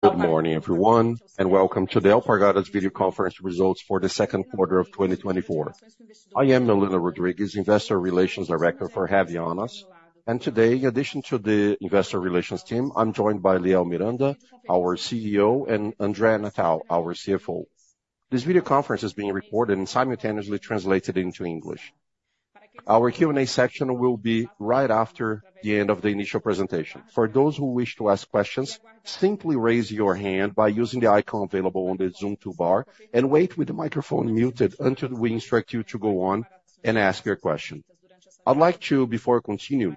...Good morning, everyone, and welcome to the Alpargatas video conference results for the second quarter of 2024. I am Melina Constantino, Investor Relations Director for Havaianas, and today, in addition to the investor relations team, I'm joined by Liel Miranda, our CEO, and André Natal, our CFO. This video conference is being recorded and simultaneously translated into English. Our Q&A section will be right after the end of the initial presentation. For those who wish to ask questions, simply raise your hand by using the icon available on the Zoom toolbar and wait with the microphone muted until we instruct you to go on and ask your question. I'd like to, before I continue,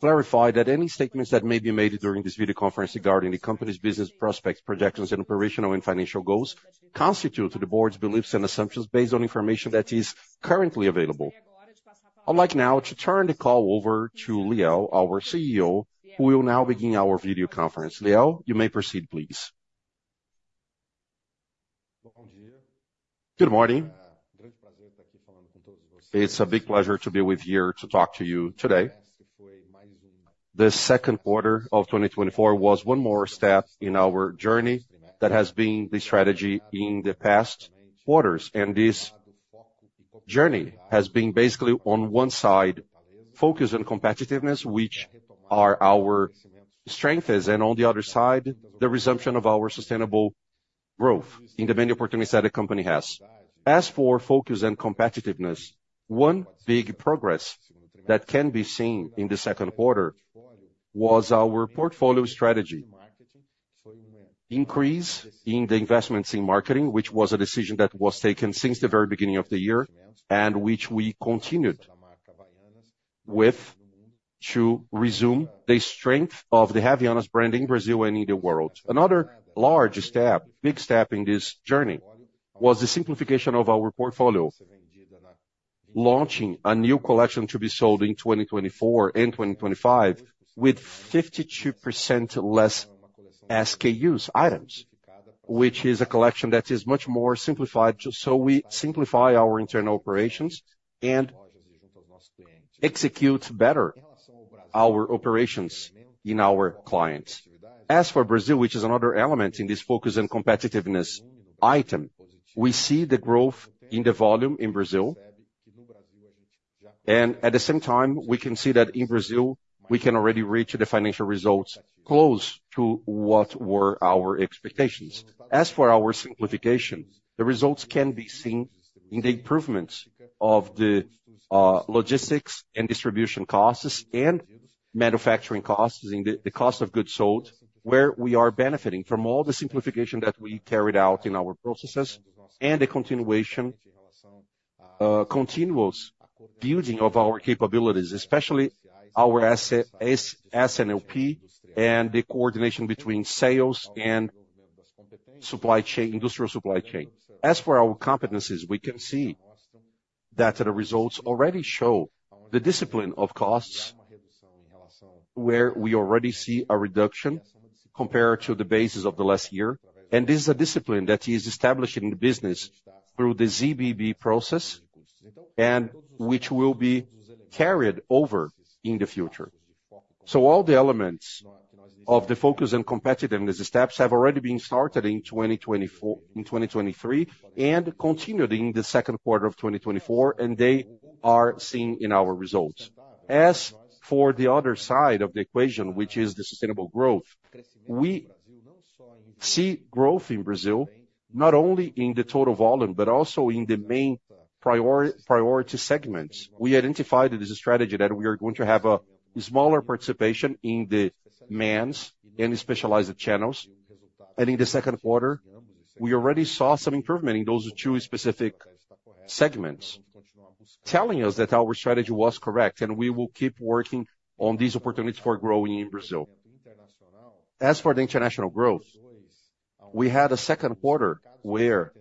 clarify that any statements that may be made during this video conference regarding the company's business prospects, projections, and operational and financial goals, constitute the board's beliefs and assumptions based on information that is currently available. I'd like now to turn the call over to Liel, our CEO, who will now begin our video conference. Liel, you may proceed, please. Good morning. It's a big pleasure to be with you here to talk to you today. The second quarter of 2024 was one more step in our journey that has been the strategy in the past quarters, and this journey has been basically, on one side, focus on competitiveness, which are our strengths, and on the other side, the resumption of our sustainable growth in the many opportunities that the company has. As for focus and competitiveness, one big progress that can be seen in the second quarter was our portfolio strategy. Increase in the investments in marketing, which was a decision that was taken since the very beginning of the year, and which we continued with, to resume the strength of the Havaianas brand in Brazil and in the world. Another large step, big step in this journey was the simplification of our portfolio, launching a new collection to be sold in 2024 and 2025, with 52% less SKUs items, which is a collection that is much more simplified. So we simplify our internal operations and execute better our operations in our clients. As for Brazil, which is another element in this focus and competitiveness item, we see the growth in the volume in Brazil, and at the same time, we can see that in Brazil, we can already reach the financial results close to what were our expectations. As for our simplification, the results can be seen in the improvements of the logistics and distribution costs and manufacturing costs, in the cost of goods sold, where we are benefiting from all the simplification that we carried out in our processes and the continuation, continuous building of our capabilities, especially our S&OP and the coordination between sales and supply chain, industrial supply chain. As for our competencies, we can see that the results already show the discipline of costs, where we already see a reduction compared to the basis of the last year. This is a discipline that is established in the business through the ZBB process, and which will be carried over in the future. All the elements of the focus and competitiveness steps have already been started in 2023, and continued in the second quarter of 2024, and they are seen in our results. As for the other side of the equation, which is the sustainable growth, we see growth in Brazil, not only in the total volume, but also in the main priority segments. We identified it as a strategy that we are going to have a smaller participation in the men's and specialized channels. In the second quarter, we already saw some improvement in those two specific segments, telling us that our strategy was correct, and we will keep working on these opportunities for growing in Brazil. As for the international growth, we had a second quarter where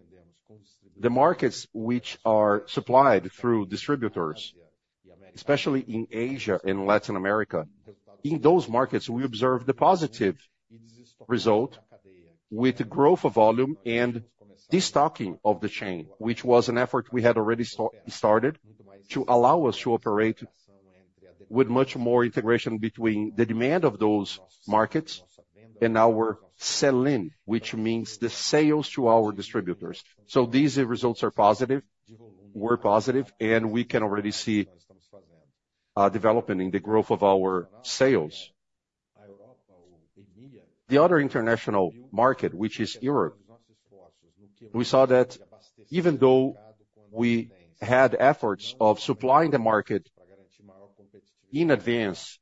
the markets which are supplied through distributors, especially in Asia and Latin America, in those markets, we observed the positive result with growth of volume and destocking of the chain, which was an effort we had already started, to allow us to operate with much more integration between the demand of those markets and our sell-in, which means the sales to our distributors. So these results are positive, were positive, and we can already see development in the growth of our sales. The other international market, which is Europe, we saw that even though we had efforts of supplying the market in advance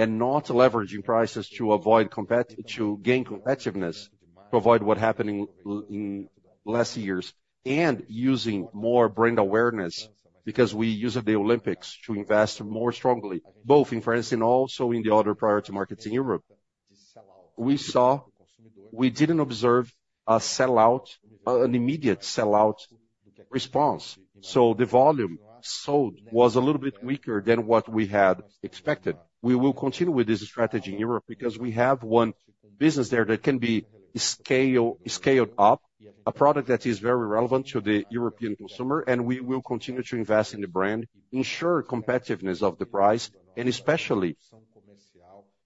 and not leveraging prices to avoid competition to gain competitiveness, to avoid what happened in last years, and using more brand awareness, because we use the Olympics to invest more strongly, both in France and also in the other priority markets in Europe. We saw we didn't observe a sell-out, an immediate sell-out response. So the volume sold was a little bit weaker than what we had expected. We will continue with this strategy in Europe, because we have one business there that can be scaled up. A product that is very relevant to the European consumer, and we will continue to invest in the brand, ensure competitiveness of the price, and especially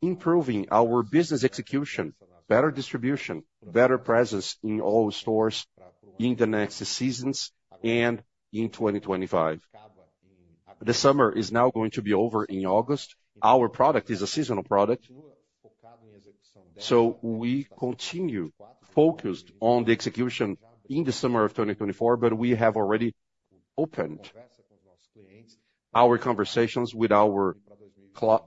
improving our business execution, better distribution, better presence in all stores in the next seasons and in 2025. The summer is now going to be over in August. Our product is a seasonal product, so we continue focused on the execution in the summer of 2024, but we have already opened our conversations with our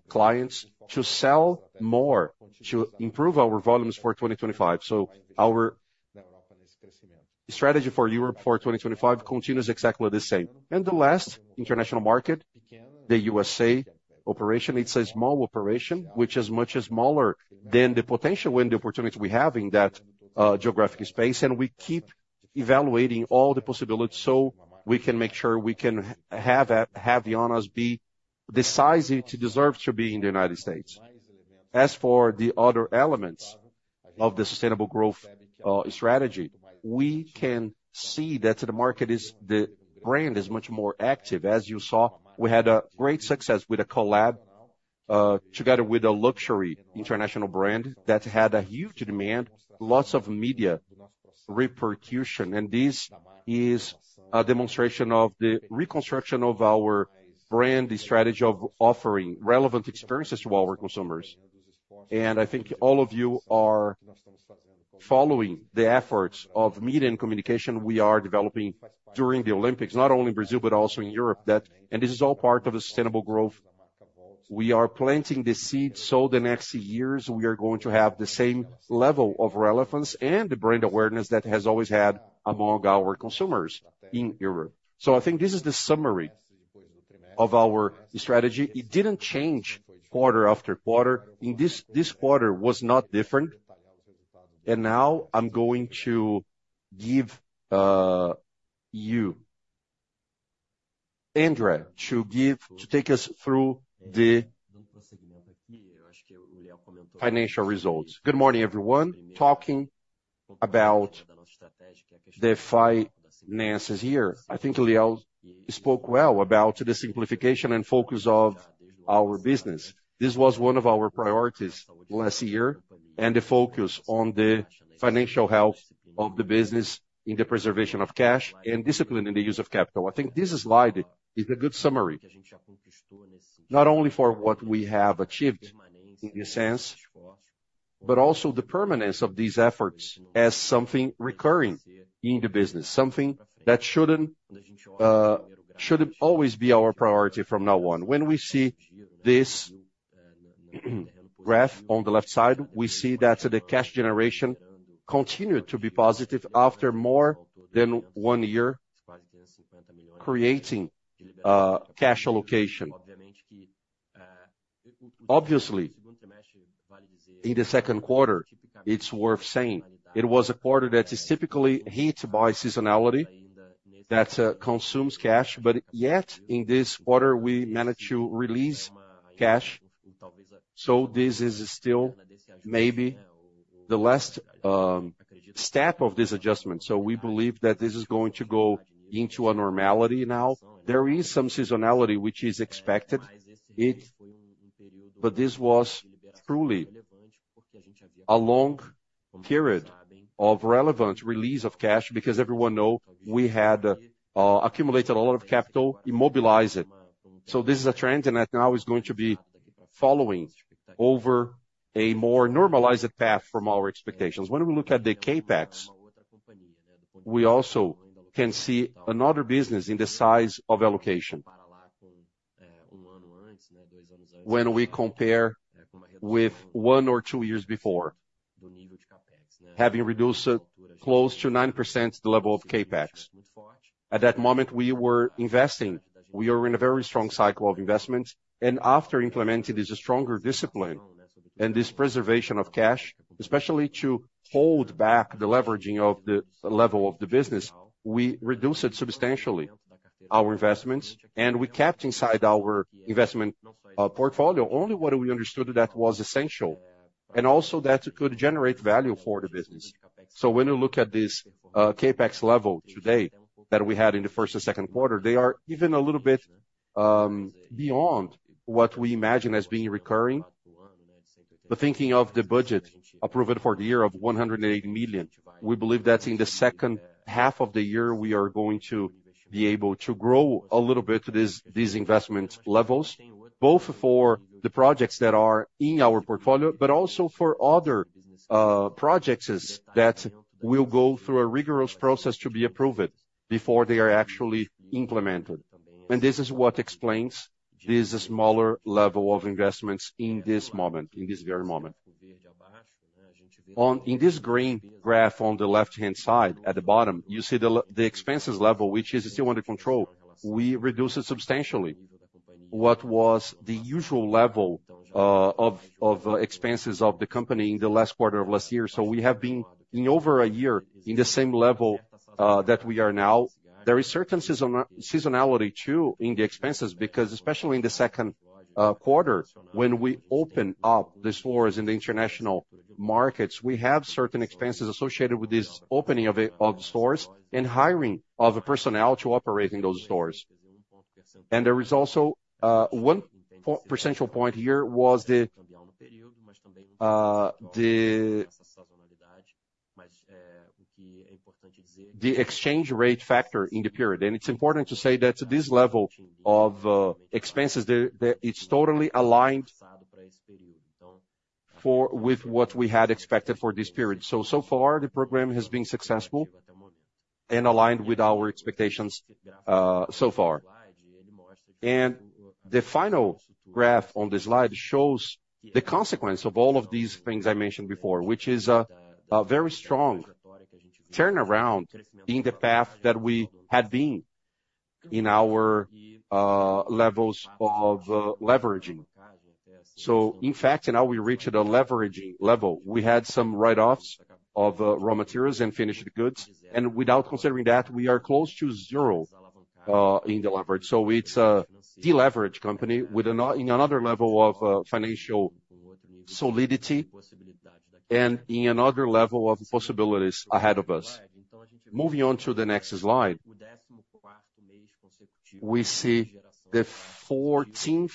clients to sell more, to improve our volumes for 2025. So our strategy for Europe for 2025 continues exactly the same. The last international market, the USA operation, it's a small operation, which is much smaller than the potential and the opportunity we have in that geographic space, and we keep evaluating all the possibilities, so we can make sure we can have us be decisive to deserve to be in the United States. As for the other elements of the sustainable growth strategy, we can see that the brand is much more active. As you saw, we had a great success with a collab together with a luxury international brand that had a huge demand, lots of media repercussion. This is a demonstration of the reconstruction of our brand, the strategy of offering relevant experiences to all our consumers. And I think all of you are following the efforts of media and communication we are developing during the Olympics, not only in Brazil, but also in Europe. That and this is all part of a sustainable growth. We are planting the seeds, so the next years we are going to have the same level of relevance and the brand awareness that has always had among our consumers in Europe. So I think this is the summary of our strategy. It didn't change quarter after quarter. In this quarter was not different. And now I'm going to give you, André, to take us through the financial results. Good morning, everyone. Talking about the finances here, I think Liel spoke well about the simplification and focus of our business. This was one of our priorities last year, and the focus on the financial health of the business in the preservation of cash and discipline in the use of capital. I think this slide is a good summary, not only for what we have achieved in this sense, but also the permanence of these efforts as something recurring in the business, something that shouldn't, should always be our priority from now on. When we see this graph on the left side, we see that the cash generation continued to be positive after more than one year, creating cash allocation. Obviously, in the second quarter, it's worth saying, it was a quarter that is typically hit by seasonality, that consumes cash, but yet in this quarter, we managed to release cash. So this is still maybe the last step of this adjustment. So we believe that this is going to go into a normality now. There is some seasonality which is expected. But this was truly a long period of relevant release of cash, because everyone know we had, accumulated a lot of capital, immobilized it. So this is a trend, and that now is going to be following over a more normalized path from our expectations. When we look at the CapEx, we also can see another business in the size of Alpargatas. When we compare with one or two years before, having reduced close to 9% the level of CapEx. At that moment, we were investing. We are in a very strong cycle of investment, and after implementing this stronger discipline and this preservation of cash, especially to hold back the leveraging of the level of the business, we reduced it substantially, our investments, and we kept inside our investment portfolio, only what we understood that was essential, and also that could generate value for the business. So when you look at this, CapEx level today, that we had in the first and second quarter, they are even a little bit beyond what we imagine as being recurring. But thinking of the budget, approved for the year of 180 million, we believe that in the second half of the year, we are going to be able to grow a little bit these investment levels, both for the projects that are in our portfolio, but also for other projects that will go through a rigorous process to be approved before they are actually implemented. And this is what explains this smaller level of investments in this moment, in this very moment. In this green graph on the left-hand side, at the bottom, you see the expenses level, which is still under control. We reduced it substantially. What was the usual level of expenses of the company in the last quarter of last year? So we have been in over a year in the same level that we are now. There is certain seasonality, too, in the expenses, because especially in the second quarter, when we open up the stores in the international markets, we have certain expenses associated with this opening of it, of stores, and hiring of a personnel to operate in those stores. And there is also one percentage point here was the exchange rate factor in the period. And it's important to say that this level of expenses, it's totally aligned with what we had expected for this period. So, so far, the program has been successful and aligned with our expectations, so far. The final graph on the slide shows the consequence of all of these things I mentioned before, which is a very strong turnaround in the path that we had been in our levels of leveraging. In fact, now we reached a leveraging level. We had some write-offs of raw materials and finished goods, and without considering that, we are close to zero in the leverage. It's a deleverage company with in another level of financial solidity and in another level of possibilities ahead of us. Moving on to the next slide. We see the fourteenth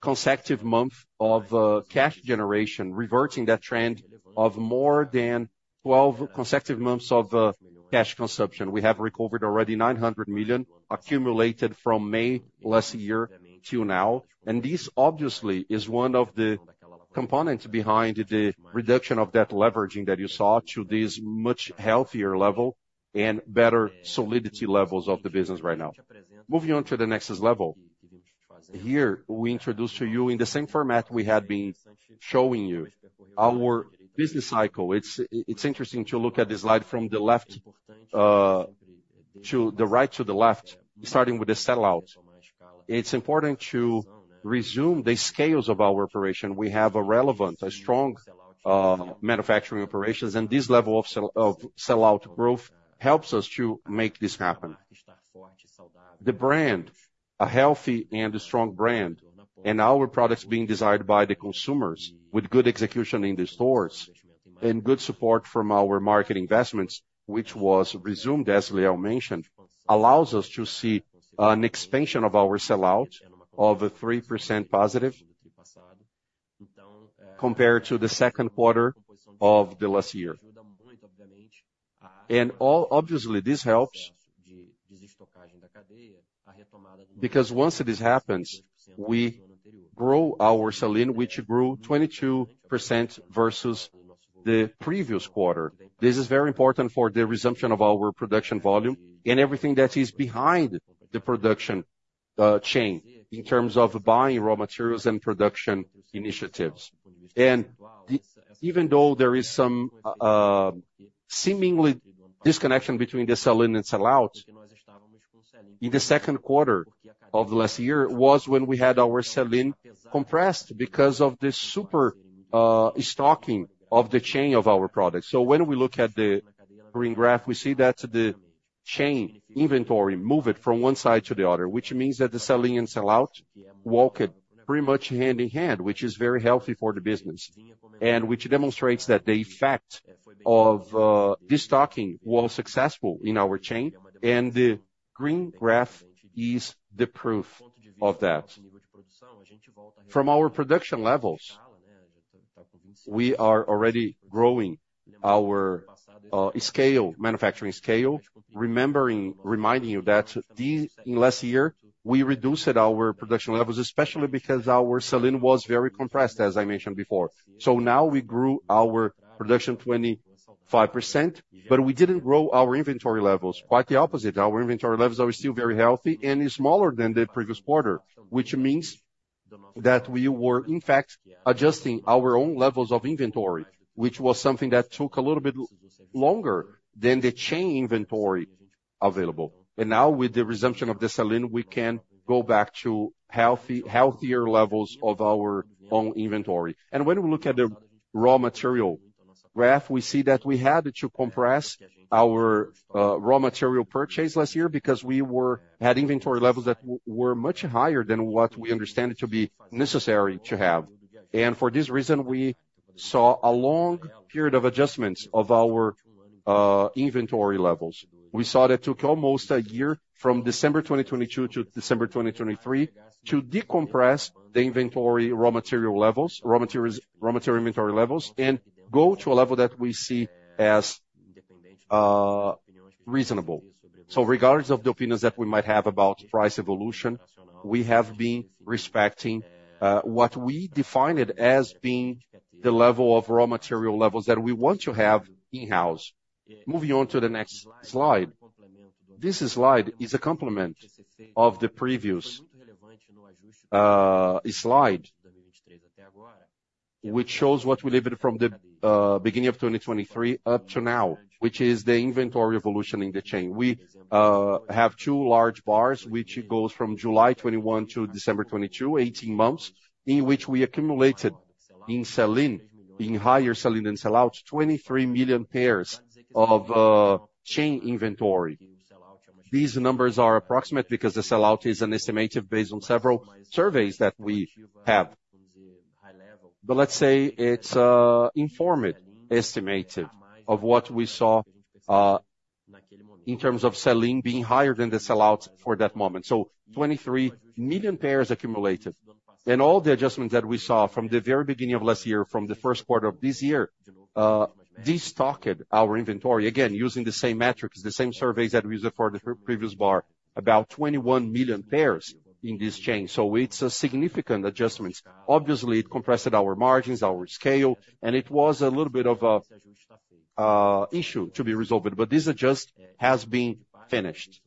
consecutive month of cash generation, reverting that trend of more than 12 consecutive months of cash consumption. We have recovered already 900 million, accumulated from May last year till now. This obviously, is one of the components behind the reduction of that leveraging that you saw to this much healthier level and better solidity levels of the business right now. Moving on to the next level. Here, we introduce to you in the same format we had been showing you, our business cycle. It's interesting to look at the slide from the left, to the right to the left, starting with the sell-out. It's important to resume the scales of our operation. We have a relevant, strong manufacturing operations, and this level of sell-out growth helps us to make this happen. The brand, a healthy and a strong brand, and our products being desired by the consumers with good execution in the stores and good support from our market investments, which was resumed, as Liel mentioned, allows us to see an expansion of our sell-out of 3% positive compared to the second quarter of the last year. All obviously, this helps. Because once this happens, we grow our sell-in, which grew 22% versus the previous quarter. This is very important for the resumption of our production volume and everything that is behind the production chain, in terms of buying raw materials and production initiatives. And even though there is some seemingly disconnection between the sell-in and sell-out, in the second quarter of last year was when we had our sell-in compressed because of the super stocking of the chain of our products. So when we look at the green graph, we see that the chain inventory move it from one side to the other, which means that the sell-in and sell-out walked pretty much hand in hand, which is very healthy for the business, and which demonstrates that the effect of this stocking was successful in our chain, and the green graph is the proof of that. From our production levels, we are already growing our scale, manufacturing scale, remembering, reminding you that the, in last year, we reduced our production levels, especially because our sell-in was very compressed, as I mentioned before. So now we grew our production 25%, but we didn't grow our inventory levels. Quite the opposite, our inventory levels are still very healthy and is smaller than the previous quarter, which means that we were, in fact, adjusting our own levels of inventory, which was something that took a little bit longer than the chain inventory available. And now, with the resumption of the sell-in, we can go back to healthier levels of our own inventory. And when we look at the raw material graph, we see that we had to compress our raw material purchase last year because we had inventory levels that were much higher than what we understand it to be necessary to have. And for this reason, we saw a long period of adjustments of our inventory levels. We saw that took almost a year, from December 2022 to December 2023, to decompress the inventory raw material levels, raw materials, raw material inventory levels, and go to a level that we see as reasonable. So regardless of the opinions that we might have about price evolution, we have been respecting what we defined it as being the level of raw material levels that we want to have in-house. Moving on to the next slide. This slide is a complement of the previous slide, which shows what we lived from the beginning of 2023 up to now, which is the inventory evolution in the chain. We have two large bars, which goes from July 2021 to December 2022, 18 months, in which we accumulated in sell-in, in higher sell-in and sell-out, 23 million pairs of chain inventory. These numbers are approximate because the sell-out is an estimate based on several surveys that we have. Let's say it's an informed estimate of what we saw in terms of sell-in being higher than the sell-out for that moment. 23 million pairs accumulated, and all the adjustments that we saw from the very beginning of last year, from the first quarter of this year, destocked our inventory. Again, using the same metrics, the same surveys that we used for the previous year, about 21 million pairs in this chain. It's a significant adjustment. Obviously, it compressed our margins, our scale, and it was a little bit of an issue to be resolved, but this adjustment has been finished.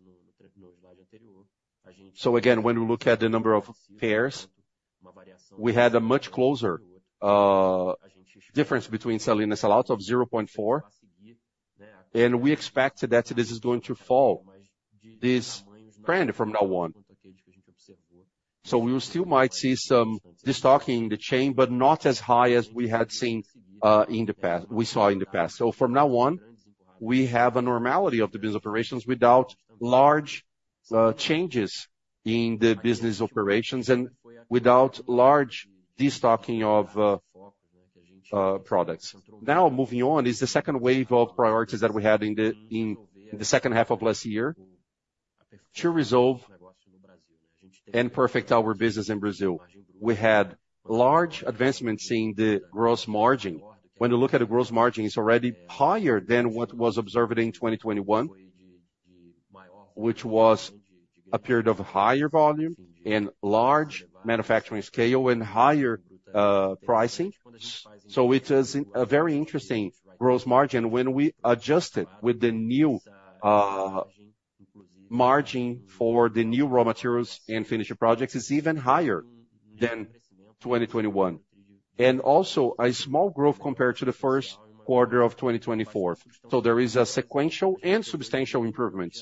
So again, when we look at the number of pairs, we had a much closer difference between sell-in and sell-out of 0.4, and we expected that this is going to fall, this trend from now on. So we still might see some destocking in the chain, but not as high as we had seen in the past we saw in the past. So from now on, we have a normality of the business operations without large changes in the business operations and without large destocking of products. Now, moving on, is the second wave of priorities that we had in the second half of last year, to resolve and perfect our business in Brazil. We had large advancements in the gross margin. When you look at the gross margin, it's already higher than what was observed in 2021, which was a period of higher volume and large manufacturing scale and higher pricing. So it is a very interesting gross margin. When we adjust it with the new margin for the new raw materials and finished products, it's even higher than 2021, and also a small growth compared to the first quarter of 2024. So there is a sequential and substantial improvement.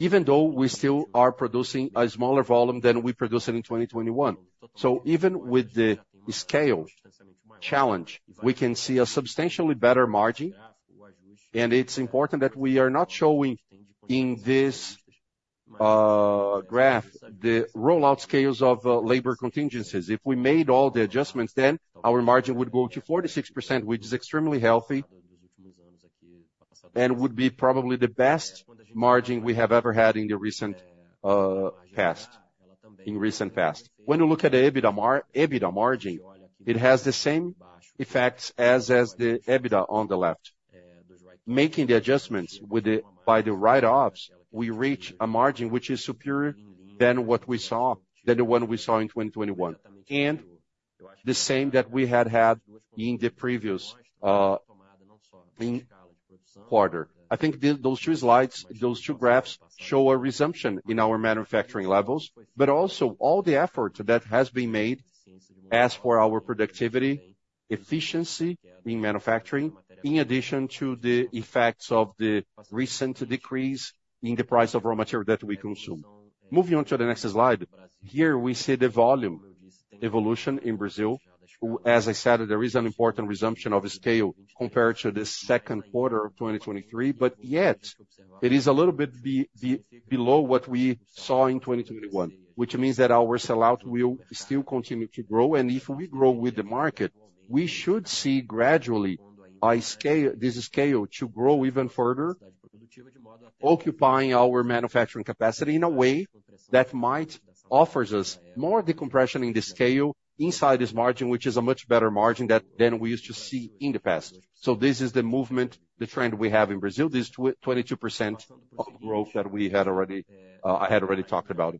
Even though we still are producing a smaller volume than we produced in 2021. So even with the scale challenge, we can see a substantially better margin, and it's important that we are not showing in this graph the rollout scales of labor contingencies. If we made all the adjustments, then our margin would go to 46%, which is extremely healthy, and would be probably the best margin we have ever had in the recent past. When you look at the EBITDA margin, it has the same effects as the EBITDA on the left. Making the adjustments by the write-offs, we reach a margin which is superior than the one we saw in 2021, and the same that we had had in the previous quarter. I think those two slides, those two graphs show a resumption in our manufacturing levels, but also all the effort that has been made as for our productivity, efficiency in manufacturing, in addition to the effects of the recent decrease in the price of raw material that we consume. Moving on to the next slide, here we see the volume evolution in Brazil, who, as I said, there is an important resumption of scale compared to the second quarter of 2023, but yet it is a little bit below what we saw in 2021. Which means that our sell-out will still continue to grow, and if we grow with the market, we should see gradually a scale, this scale to grow even further, occupying our manufacturing capacity in a way that might offers us more decompression in the scale inside this margin, which is a much better margin than we used to see in the past. So this is the movement, the trend we have in Brazil, this 22% of growth that we had already, I had already talked about,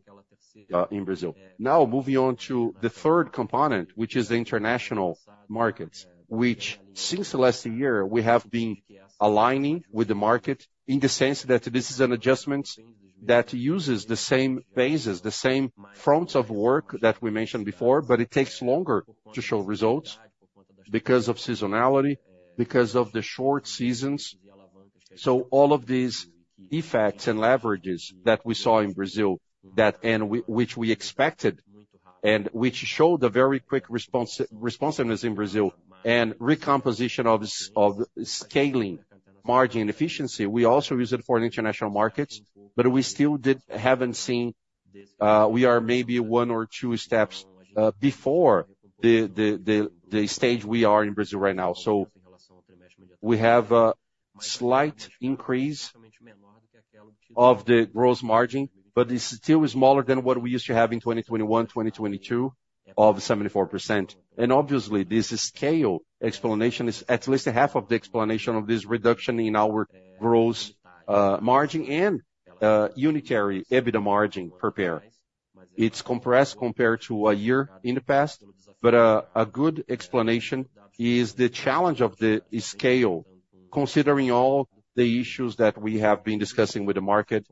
in Brazil. Now, moving on to the third component, which is the international markets, which since last year, we have been aligning with the market in the sense that this is an adjustment that uses the same bases, the same fronts of work that we mentioned before, but it takes longer to show results because of seasonality, because of the short seasons. So all of these effects and leverages that we saw in Brazil, that and which we expected, and which showed a very quick responsiveness in Brazil, and recomposition of scaling, margin, and efficiency, we also use it for the international markets, but we still haven't seen. We are maybe one or two steps before the stage we are in Brazil right now. So we have a slight increase of the gross margin, but it's still smaller than what we used to have in 2021, 2022, of 74%. Obviously, this scale explanation is at least half of the explanation of this reduction in our gross margin and unitary EBITDA margin per pair. It's compressed compared to a year in the past, but a good explanation is the challenge of the scale, considering all the issues that we have been discussing with the market,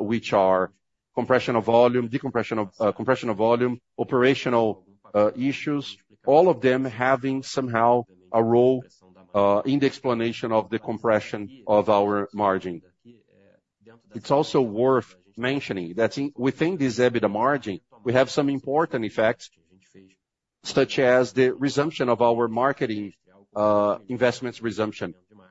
which are compression of volume, compression of volume, operational issues, all of them having somehow a role in the explanation of the compression of our margin. It's also worth mentioning that within this EBITDA margin, we have some important effects such as the resumption of our marketing investments.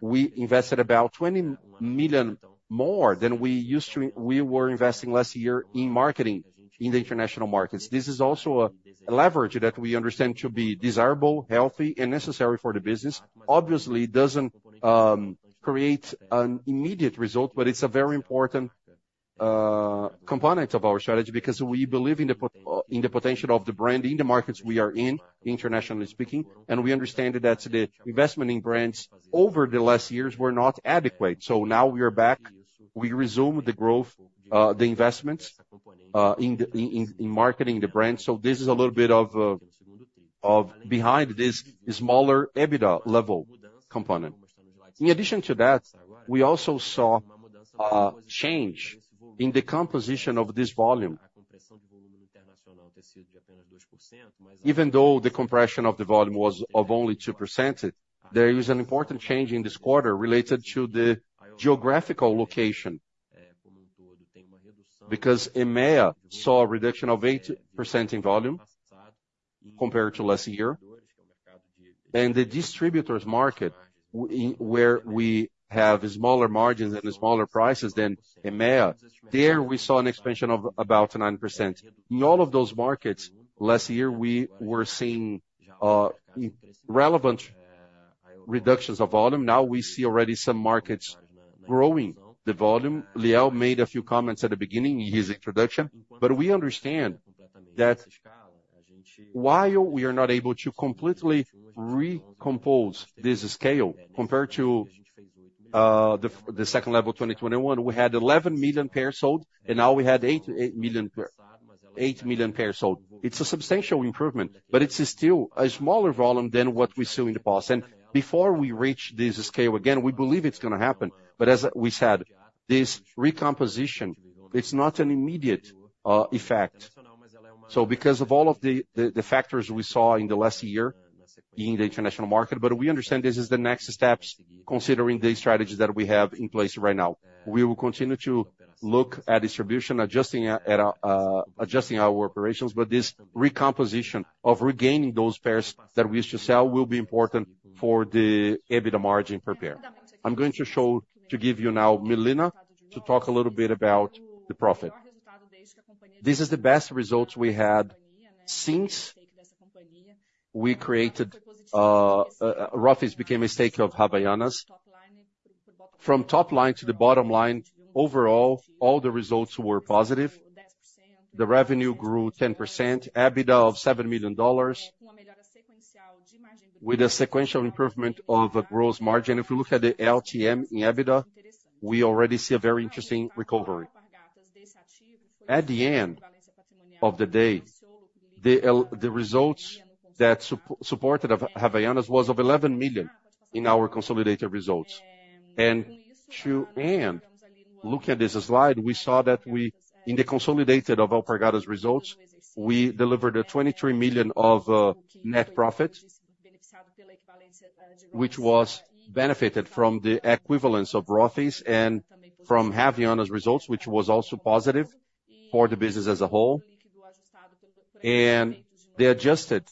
We invested about 20 million more than we used to, we were investing last year in marketing in the international markets. This is also a leverage that we understand to be desirable, healthy, and necessary for the business. Obviously, it doesn't create an immediate result, but it's a very important component of our strategy, because we believe in the potential of the brand, in the markets we are in, internationally speaking, and we understand that the investment in brands over the last years were not adequate. So now we are back. We resume the growth, the investments, in marketing the brand. So this is a little bit behind this smaller EBITDA level component. In addition to that, we also saw a change in the composition of this volume. Even though the compression of the volume was of only 2%, there is an important change in this quarter related to the geographical location. Because EMEA saw a reduction of 8% in volume compared to last year, and the distributors market, in, where we have smaller margins and smaller prices than EMEA, there we saw an expansion of about 9%. In all of those markets, last year, we were seeing relevant reductions of volume. Now we see already some markets growing the volume. Liel made a few comments at the beginning in his introduction, but we understand that while we are not able to completely recompose this scale, compared to the second level, 2021, we had 11 million pairs sold, and now we had 8 million pairs sold. It's a substantial improvement, but it's still a smaller volume than what we saw in the past. And before we reach this scale again, we believe it's gonna happen. But as we said, this recomposition, it's not an immediate effect. So because of all of the factors we saw in the last year in the international market, but we understand this is the next steps, considering the strategy that we have in place right now. We will continue to look at distribution, adjusting our operations, but this recomposition of regaining those pairs that we used to sell will be important for the EBITDA margin per pair. I'm going to show, to give you now Melina, to talk a little bit about the profit. This is the best results we had since we created Rothy's became a stake of Havaianas. From top line to the bottom line, overall, all the results were positive. The revenue grew 10%, EBITDA of $7 million, with a sequential improvement of a gross margin. If we look at the LTM in EBITDA, we already see a very interesting recovery. At the end of the day, the results that supported Havaianas was of $11 million in our consolidated results. And to end, looking at this slide, we saw that we, in the consolidated of Alpargatas results, we delivered a $23 million of net profit, which was benefited from the equivalence of Rothy's and from Havaianas results, which was also positive for the business as a whole. The adjusted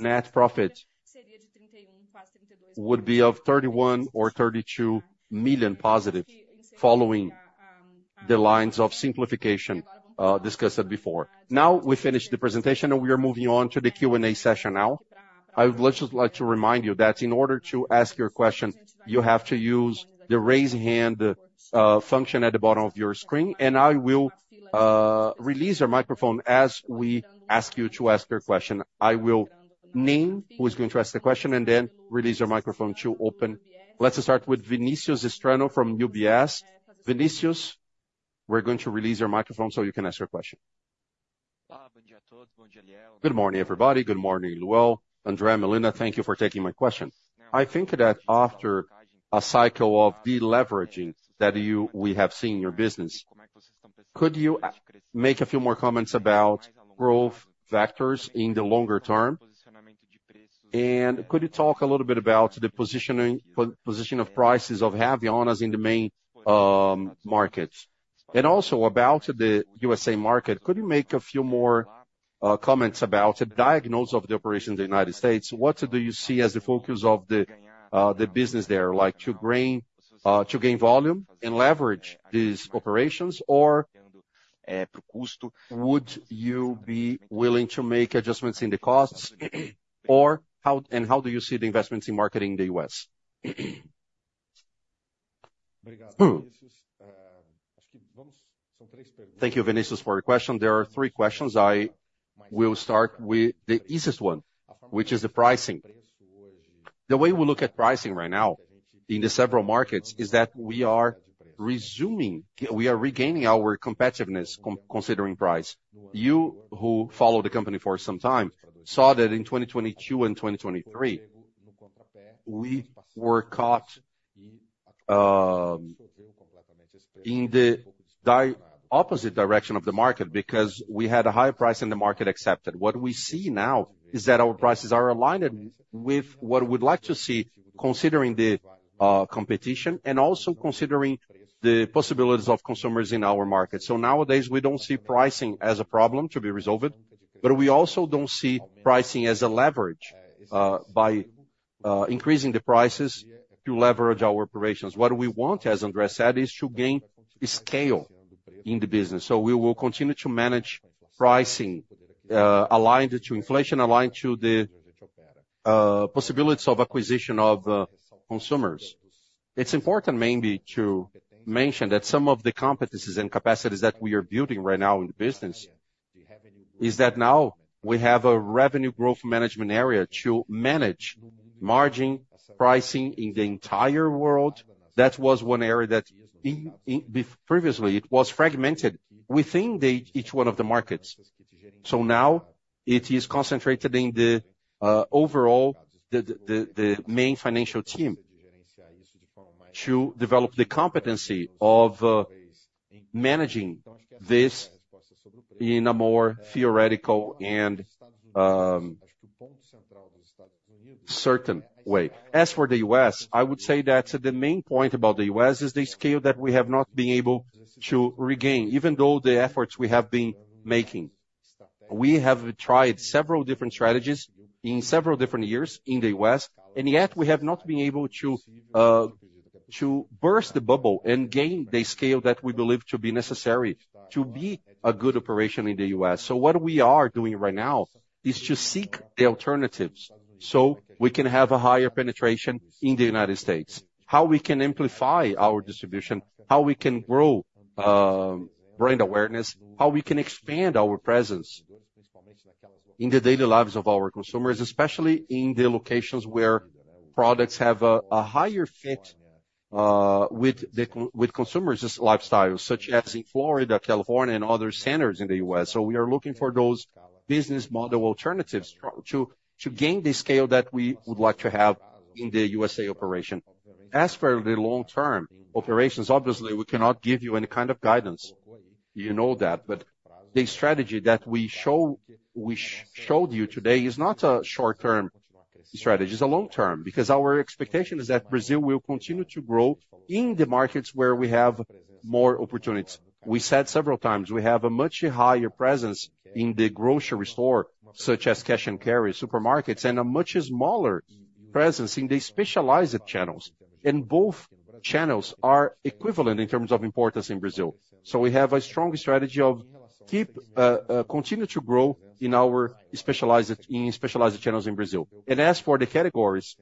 net profit would be of $31 or $32 million positive, following the lines of simplification discussed before. Now, we finish the presentation, and we are moving on to the Q&A session now. I would just like to remind you that in order to ask your question, you have to use the Raise Hand function at the bottom of your screen, and I will release your microphone as we ask you to ask your question. I will name who is going to ask the question, and then release your microphone to open. Let's start with Vinicius Strano from UBS. Vinicius, we're going to release your microphone so you can ask your question. Good morning, everybody. Good morning, Liel, André, Melina. Thank you for taking my question. I think that after a cycle of deleveraging that we have seen in your business, could you make a few more comments about growth vectors in the longer term? Could you talk a little bit about the positioning, position of prices of Havaianas in the main markets? And also about the USA market, could you make a few more comments about a diagnosis of the operation in the United States? What do you see as the focus of the, the business there, like, to gain, to gain volume and leverage these operations, or, would you be willing to make adjustments in the costs? Or how and how do you see the investments in marketing in the US? Thank you, Vinicius, for your question. There are three questions. I will start with the easiest one, which is the pricing. The way we look at pricing right now in the several markets is that we are resuming, we are regaining our competitiveness considering price. You, who followed the company for some time, saw that in 2022 and 2023, we were caught in the opposite direction of the market because we had a higher price than the market accepted. What we see now is that our prices are aligned with what we'd like to see, considering the competition, and also considering the possibilities of consumers in our market. So nowadays, we don't see pricing as a problem to be resolved, but we also don't see pricing as a leverage by increasing the prices to leverage our operations. What we want, as André said, is to gain scale in the business. So we will continue to manage pricing aligned to inflation, aligned to the possibilities of acquisition of consumers.It's important mainly to mention that some of the competencies and capacities that we are building right now in the business is that now we have a Revenue Growth Management area to manage margin, pricing in the entire world. That was one area that previously it was fragmented within the each one of the markets. So now it is concentrated in the overall the main financial team to develop the competency of managing this in a more theoretical and certain way. As for the U.S., I would say that the main point about the U.S. is the scale that we have not been able to regain, even though the efforts we have been making. We have tried several different strategies in several different years in the U.S., and yet we have not been able to burst the bubble and gain the scale that we believe to be necessary to be a good operation in the U.S. So what we are doing right now is to seek the alternatives so we can have a higher penetration in the United States. How we can amplify our distribution, how we can grow brand awareness, how we can expand our presence in the daily lives of our consumers, especially in the locations where products have a higher fit with consumers' lifestyles, such as in Florida, California, and other centers in the U.S. So we are looking for those business model alternatives to gain the scale that we would like to have in the U.S. operation. As for the long-term operations, obviously, we cannot give you any kind of guidance. You know that. But the strategy that we showed you today is not a short-term strategy; it's a long-term. Because our expectation is that Brazil will continue to grow in the markets where we have more opportunities. We said several times, we have a much higher presence in the grocery store, such as Cash and Carry supermarkets, and a much smaller presence in the specialized channels. And both channels are equivalent in terms of importance in Brazil. So we have a strong strategy to continue to grow in our specialized channels in Brazil. And as for the categories,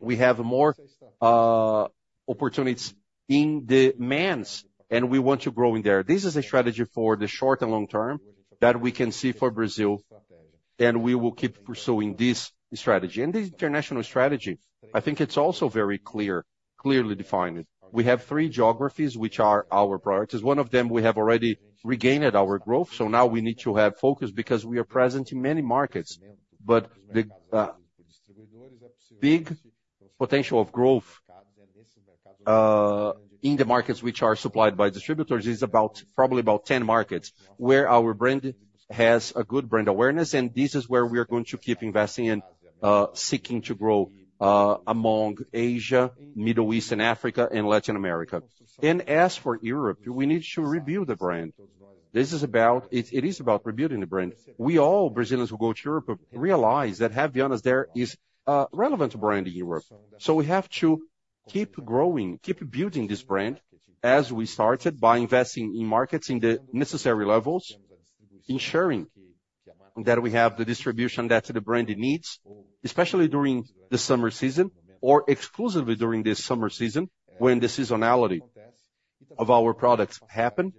we have more opportunities in the men's, and we want to grow in there. This is a strategy for the short and long term that we can see for Brazil, and we will keep pursuing this strategy. The international strategy, I think it's also very clear, clearly defined. We have three geographies, which are our priorities. One of them, we have already regained our growth, so now we need to have focus because we are present in many markets. The big potential of growth in the markets which are supplied by distributors is about, probably about 10 markets, where our brand has a good brand awareness, and this is where we are going to keep investing and seeking to grow among Asia, Middle East and Africa, and Latin America. As for Europe, we need to rebuild the brand. This is about it. It is about rebuilding the brand. We all, Brazilians who go to Europe, realize that Havaianas there is a relevant brand in Europe. So we have to keep growing, keep building this brand as we started by investing in markets in the necessary levels, ensuring that we have the distribution that the brand needs, especially during the summer season, or exclusively during this summer season, when the seasonality of our products happen,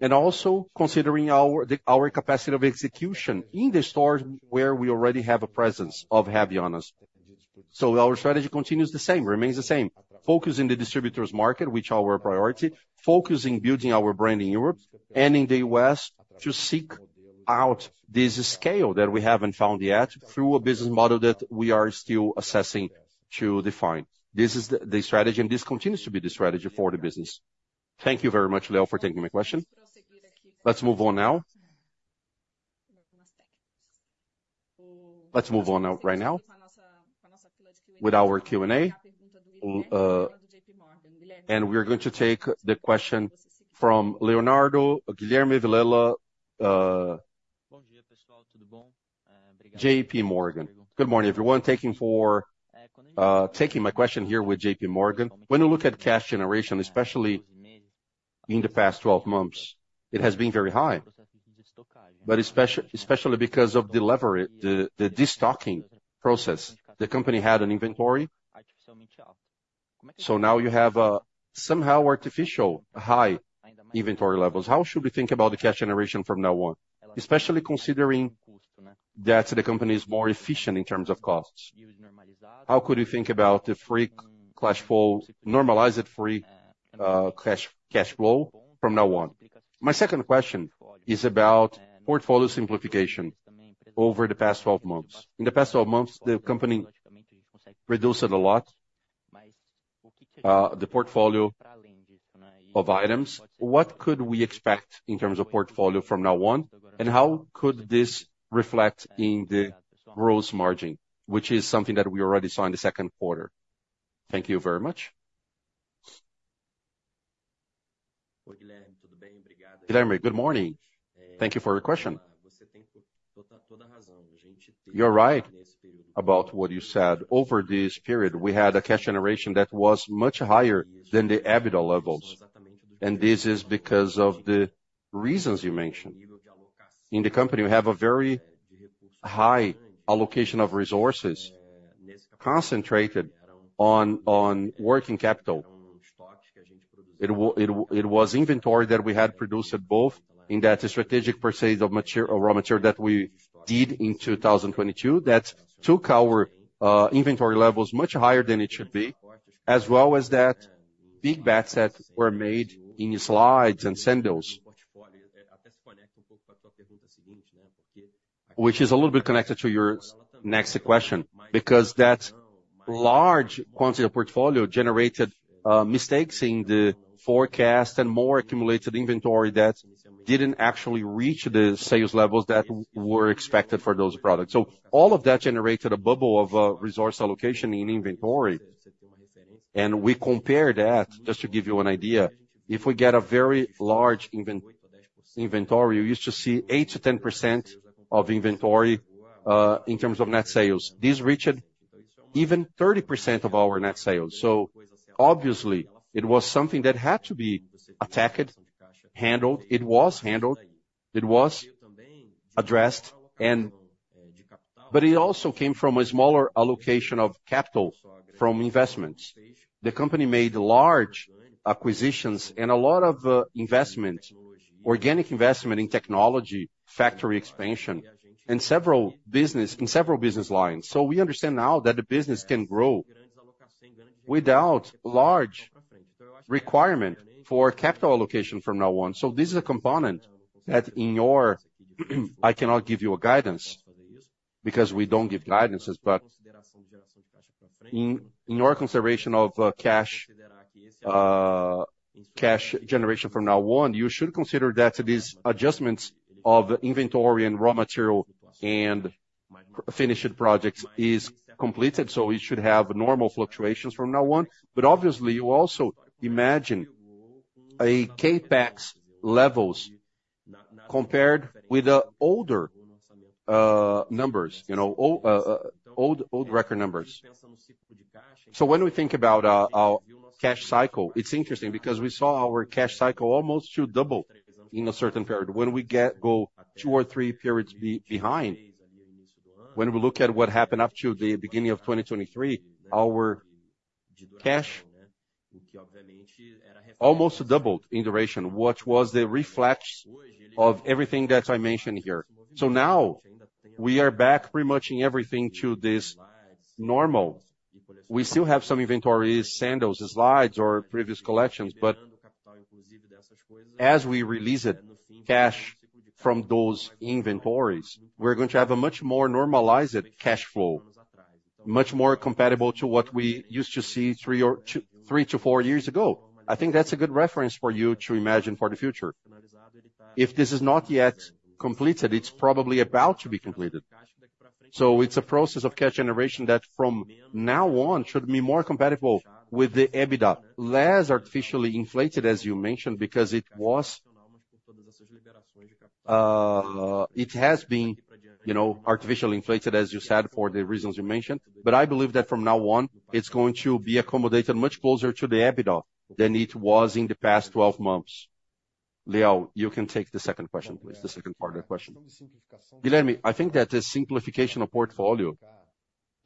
and also considering our capacity of execution in the stores where we already have a presence of Havaianas. So our strategy continues the same, remains the same: focus in the distributor's market, which our priority, focus in building our brand in Europe and in the U.S. to seek out this scale that we haven't found yet through a business model that we are still assessing to define. This is the strategy, and this continues to be the strategy for the business. Thank you very much, Liel, for taking my question. Let's move on now. Let's move on now, right now, with our Q&A. And we are going to take the question from Guilherme Vilela....J.P. Morgan. Good morning, everyone. Thank you for taking my question here with J.P. Morgan. When you look at cash generation, especially in the past 12 months, it has been very high, but especially because of the destocking process. The company had an inventory, so now you have a somehow artificial high inventory levels. How should we think about the cash generation from now on, especially considering that the company is more efficient in terms of costs? How could you think about the free cash flow, normalized free cash flow from now on? My second question is about portfolio simplification over the past 12 months. In the past 12 months, the company reduced it a lot, the portfolio of items, what could we expect in terms of portfolio from now on? How could this reflect in the gross margin, which is something that we already saw in the second quarter? Thank you very much. Guilherme, good morning. Thank you for your question. You're right about what you said. Over this period, we had a cash generation that was much higher than the EBITDA levels, and this is because of the reasons you mentioned. In the company, we have a very high allocation of resources concentrated on working capital. It was inventory that we had produced at both in that strategic purchase of raw material that we did in 2022. That took our inventory levels much higher than it should be, as well as that big bets that were made in slides and sandals. Which is a little bit connected to your next question, because that large quantity of portfolio generated mistakes in the forecast and more accumulated inventory that didn't actually reach the sales levels that were expected for those products. So all of that generated a bubble of resource allocation in inventory. And we compare that, just to give you an idea, if we get a very large inventory, we used to see 8%-10% of inventory in terms of net sales. This reached even 30% of our net sales. So obviously, it was something that had to be attacked, handled. It was handled, it was addressed, and. But it also came from a smaller allocation of capital from investments. The company made large acquisitions and a lot of investment, organic investment in technology, factory expansion, and several business, in several business lines. So we understand now that the business can grow without large requirement for capital allocation from now on. So this is a component that in your, I cannot give you a guidance, because we don't give guidances, but in your consideration of cash generation from now on, you should consider that these adjustments of inventory and raw material and finished products is completed, so it should have normal fluctuations from now on. But obviously, you also imagine CapEx levels compared with the older numbers, you know, old record numbers. So when we think about our cash cycle, it's interesting because we saw our cash cycle almost to double in a certain period. When we get two or three periods behind, when we look at what happened up to the beginning of 2023, our cash almost doubled in duration, which was the reflex of everything that I mentioned here. So now we are back pretty much in everything to this normal. We still have some inventories, sandals, slides or previous collections, but as we release it, cash from those inventories, we're going to have a much more normalized cash flow, much more comparable to what we used to see 2, 3 to 4 years ago. I think that's a good reference for you to imagine for the future. If this is not yet completed, it's probably about to be completed. So it's a process of cash generation that from now on, should be more compatible with the EBITDA. Less artificially inflated, as you mentioned, because it was, it has been, you know, artificially inflated, as you said, for the reasons you mentioned. But I believe that from now on, it's going to be accommodated much closer to the EBITDA than it was in the past 12 months. Liel, you can take the second question, please. The second part of the question. Guilherme, I think that the simplification of portfolio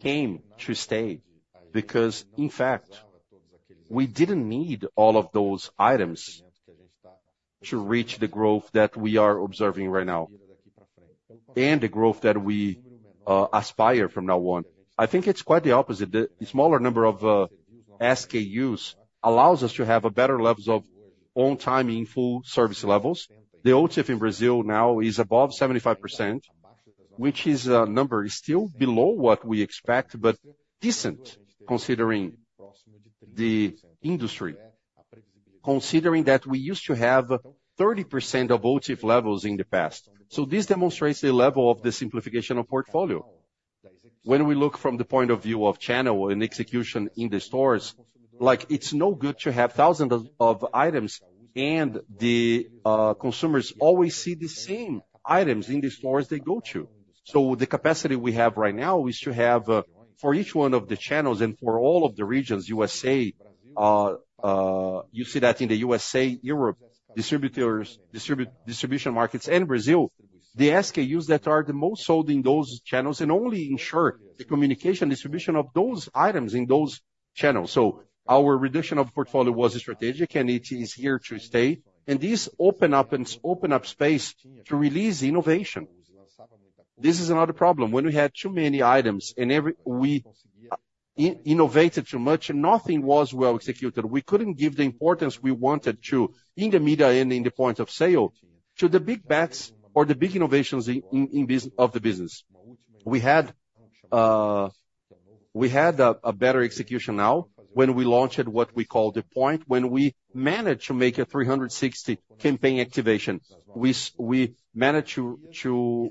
came to stay because, in fact, we didn't need all of those items to reach the growth that we are observing right now, and the growth that we aspire from now on. I think it's quite the opposite. The smaller number of SKUs allows us to have a better levels of on time, in full service levels. The OTIF in Brazil now is above 75%, which is a number still below what we expect, but decent considering the industry, considering that we used to have 30% of OTIF levels in the past. This demonstrates the level of the simplification of portfolio. When we look from the point of view of channel and execution in the stores, like, it's no good to have thousands of items, and the consumers always see the same items in the stores they go to. The capacity we have right now is to have, for each one of the channels and for all of the regions, USA, you see that in the USA, Europe, distributors, distribution markets, and Brazil, the SKUs that are the most sold in those channels and only ensure the communication, distribution of those items in those channels. So our reduction of portfolio was strategic, and it is here to stay, and this open up and open up space to release innovation. This is another problem. When we had too many items and we innovated too much and nothing was well executed, we couldn't give the importance we wanted to in the media and in the point of sale, to the big bets or the big innovations in the business. We had a better execution now when we launched what we call the Point, when we managed to make a 360 campaign activation. We managed to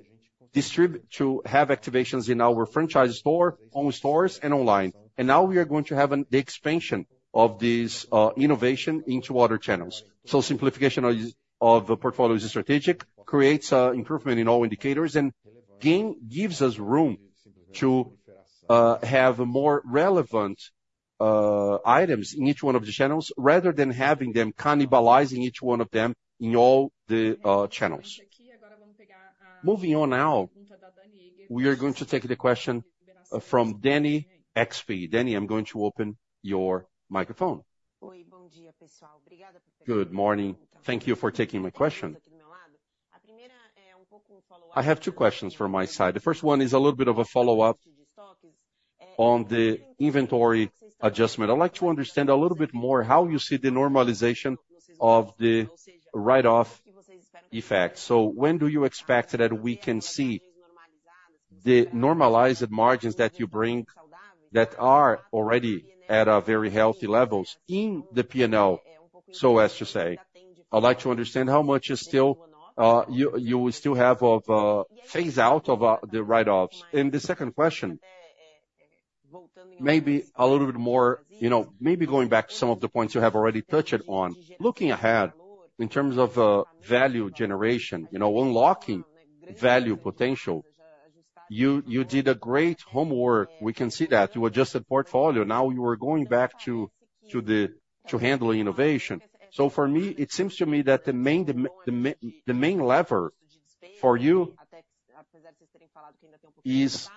distribute, to have activations in our franchise store, own stores and online. And now we are going to have the expansion of this innovation into other channels. So simplification of the portfolio is strategic, creates improvement in all indicators, and gives us room to have more relevant items in each one of the channels, rather than having them cannibalizing each one of them in all the channels. Moving on now, we are going to take the question from Dani XP. Dani, I'm going to open your microphone. Good morning. Thank you for taking my question. I have two questions from my side. The first one is a little bit of a follow-up on the inventory adjustment. I'd like to understand a little bit more how you see the normalization of the write-off effect. So when do you expect that we can see the normalized margins that you bring that are already at a very healthy levels in the P&L, so as to say? I'd like to understand how much is still you still have of phase-out of the write-offs. And the second question, maybe a little bit more, you know, maybe going back to some of the Points you have already touched on. Looking ahead, in terms of value generation, you know, unlocking value potential, you did a great homework. We can see that. You adjusted portfolio, now you are going back to handling innovation. So for me, it seems to me that the main lever for you is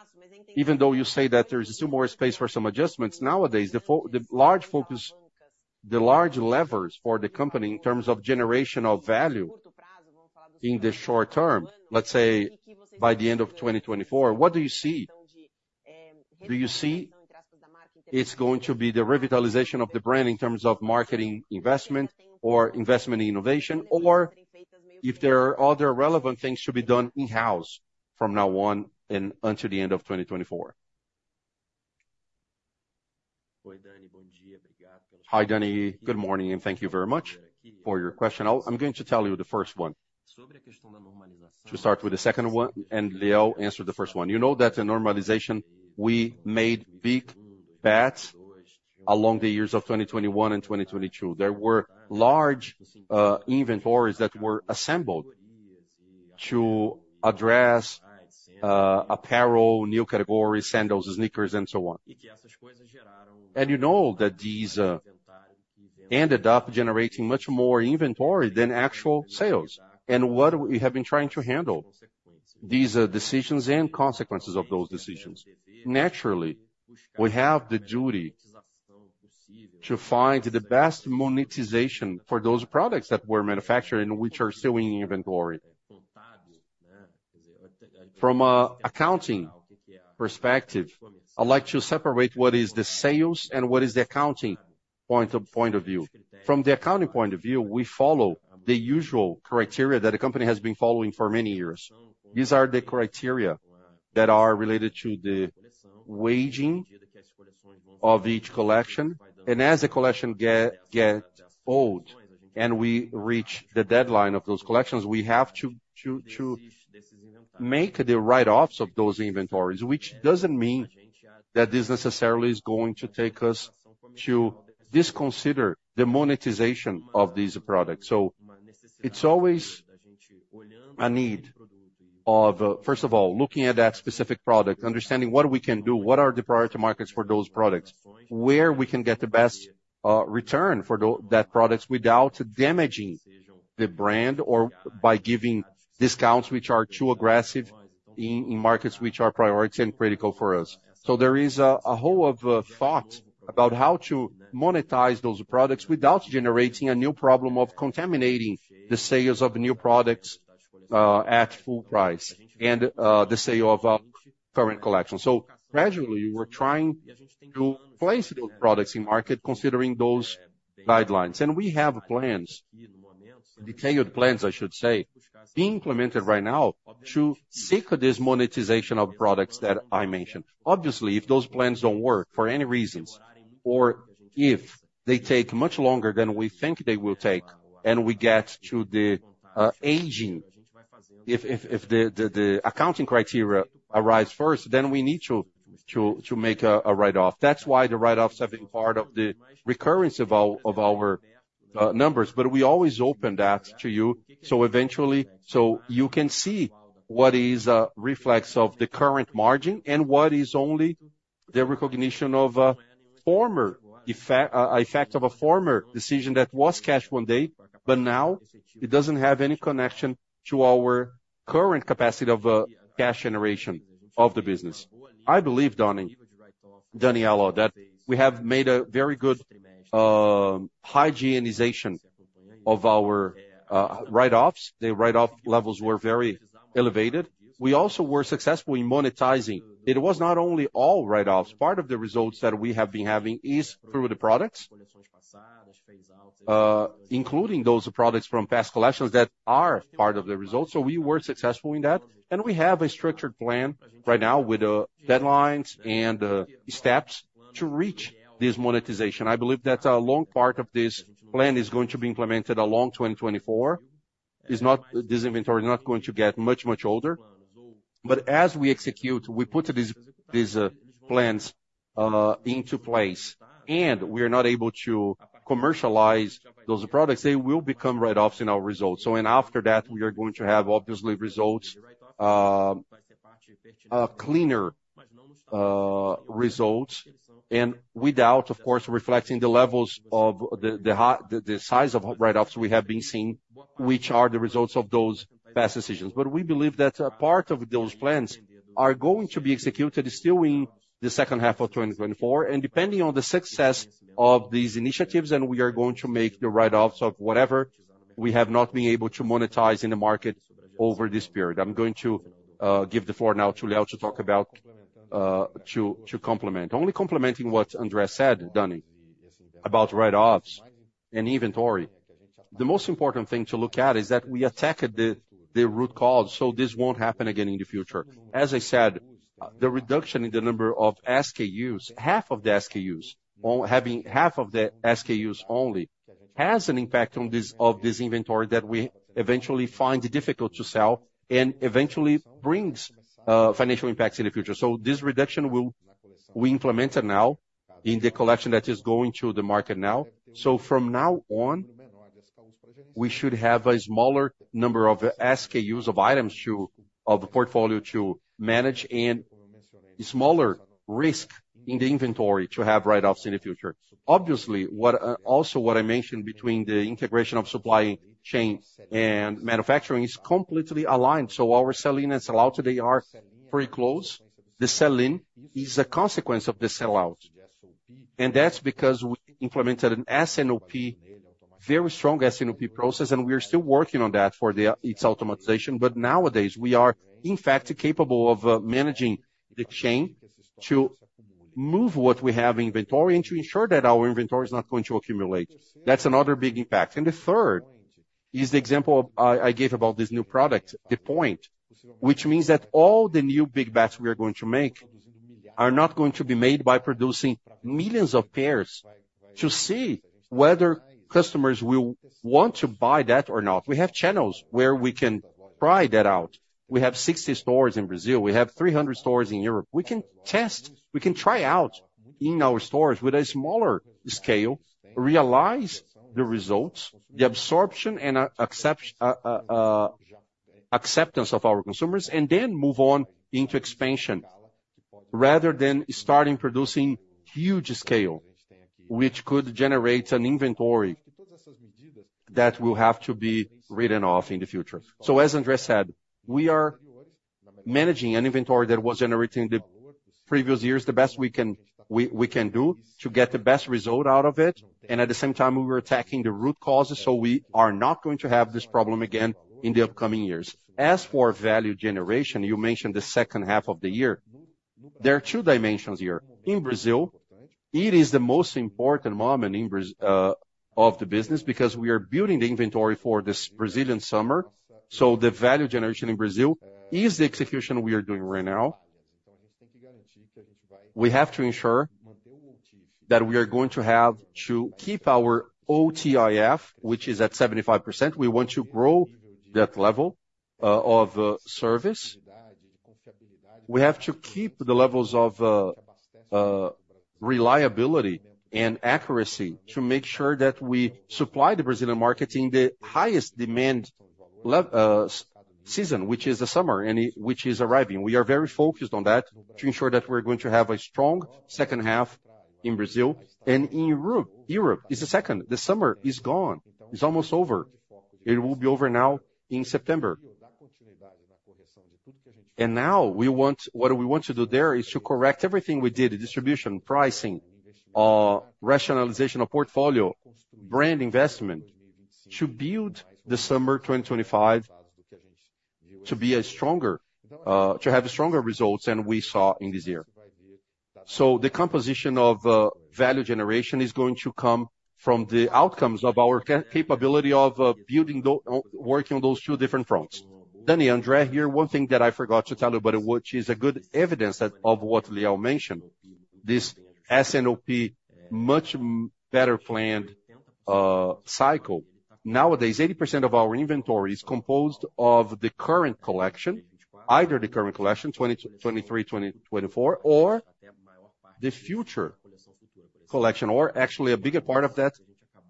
even though you say that there is still more space for some adjustments, nowadays, the large focus, the large levers for the company in terms of generational value in the short term, let's say by the end of 2024, what do you see? Do you see it's going to be the revitalization of the brand in terms of marketing investment or investment in innovation, or if there are other relevant things to be done in-house from now on and until the end of 2024? Hi, Dani. Good morning, and thank you very much for your question. I'm going to tell you the first one. To start with the second one, and Liel answered the first one. You know that the normalization, we made big bets along the years of 2021 and 2022. There were large inventories that were assembled to address apparel, new categories, sandals, sneakers, and so on. And you know that these ended up generating much more inventory than actual sales. And what we have been trying to handle, these are decisions and consequences of those decisions. Naturally, we have the duty to find the best monetization for those products that were manufactured and which are still in inventory. From an accounting perspective, I'd like to separate what is the sales and what is the accounting point of view. From the accounting point of view, we follow the usual criteria that the company has been following for many years. These are the criteria that are related to the aging of each collection, and as the collections get old and we reach the deadline of those collections, we have to make the write-offs of those inventories, which doesn't mean that this necessarily is going to take us to disconsider the monetization of these products. So it's always a need of, first of all, looking at that specific product, understanding what we can do, what are the priority markets for those products, where we can get the best return for that products without damaging the brand or by giving discounts which are too aggressive in markets which are priority and critical for us. So there is a whole of thought about how to monetize those products without generating a new problem of contaminating the sales of new products at full price and the sale of current collection. So gradually, we're trying to place those products in market, considering those guidelines. And we have plans, detailed plans, I should say, being implemented right now to seek this monetization of products that I mentioned. Obviously, if those plans don't work for any reasons, or if they take much longer than we think they will take and we get to the aging, if the accounting criteria arise first, then we need to make a write-off. That's why the write-offs have been part of the recurrence of our numbers, but we always open that to you. So eventually. So you can see what is a reflection of the current margin and what is only the recognition of a former effect, a effect of a former decision that was cash one day, but now it doesn't have any connection to our current capacity of cash generation of the business. I believe, Daniela Eiger, that we have made a very good hygienization of our write-offs. The write-off levels were very elevated. We also were successful in monetizing. It was not only all write-offs. Part of the results that we have been having is through the products, including those products from past collections that are part of the results. So we were successful in that, and we have a structured plan right now with deadlines and steps to reach this monetization. I believe that a long part of this plan is going to be implemented along 2024. It's not, this inventory is not going to get much, much older. But as we execute, we put these plans into place, and we are not able to commercialize those products, they will become write-offs in our results. And after that, we are going to have, obviously, cleaner results, and without, of course, reflecting the levels of the size of write-offs we have been seeing, which are the results of those past decisions. But we believe that a part of those plans are going to be executed still in the second half of 2024, and depending on the success of these initiatives, and we are going to make the write-offs of whatever we have not been able to monetize in the market over this period. I'm going to give the floor now to Liel to talk about to complement. Only complementing what André said, Danny, about write-offs and inventory. The most important thing to look at is that we attacked the root cause, so this won't happen again in the future. As I said, the reduction in the number of SKUs, half of the SKUs, or having half of the SKUs only, has an impact on this of this inventory that we eventually find it difficult to sell and eventually brings financial impacts in the future. So this reduction will, we implement it now in the collection that is going to the market now. So from now on, we should have a smaller number of SKUs of items to of the portfolio to manage and a smaller risk in the inventory to have write-offs in the future. Obviously, what, also what I mentioned between the integration of supply chain and manufacturing is completely aligned. So our sell-in and sell-out, they are pretty close. The sell-in is a consequence of the sell-out, and that's because we implemented an S&OP, very strong S&OP process, and we are still working on that for its automatization. But nowadays, we are, in fact, capable of managing the chain to move what we have in inventory and to ensure that our inventory is not going to accumulate. That's another big impact. And the third is the example I gave about this new product, the Point, which means that all the new big bets we are going to make are not going to be made by producing millions of pairs to see whether customers will want to buy that or not. We have channels where we can try that out. We have 60 stores in Brazil. We have 300 stores in Europe. We can test, we can try out in our stores with a smaller scale, realize the results, the absorption and acceptance of our consumers, and then move on into expansion, rather than starting producing huge scale, which could generate an inventory that will have to be written off in the future. So as André said, we are managing an inventory that was generated in the previous years, the best we can, we can do to get the best result out of it, and at the same time, we were attacking the root causes, so we are not going to have this problem again in the upcoming years. As for value generation, you mentioned the second half of the year. There are two dimensions here. In Brazil, it is the most important moment in Brazil of the business, because we are building the inventory for this Brazilian summer, so the value generation in Brazil is the execution we are doing right now. We have to ensure that we are going to have to keep our OTIF, which is at 75%. We want to grow that level of service. We have to keep the levels of reliability and accuracy to make sure that we supply the Brazilian market in the highest demand level season, which is the summer, and which is arriving. We are very focused on that to ensure that we're going to have a strong second half in Brazil and in Europe. Europe is the second. The summer is gone. It's almost over. It will be over now in September. Now, what we want to do there is to correct everything we did, the distribution, pricing, rationalization of portfolio, brand investment, to build the summer 2025 to be a stronger, to have stronger results than we saw in this year. So the composition of, value generation is going to come from the outcomes of our capability of, building working on those two different fronts. Daniela, André, here, one thing that I forgot to tell you about it, which is a good evidence that, of what Liel mentioned, this S&OP, much better planned, cycle. Nowadays, 80% of our inventory is composed of the current collection, either the current collection, 2023, 2024, or the future collection, or actually a bigger part of that,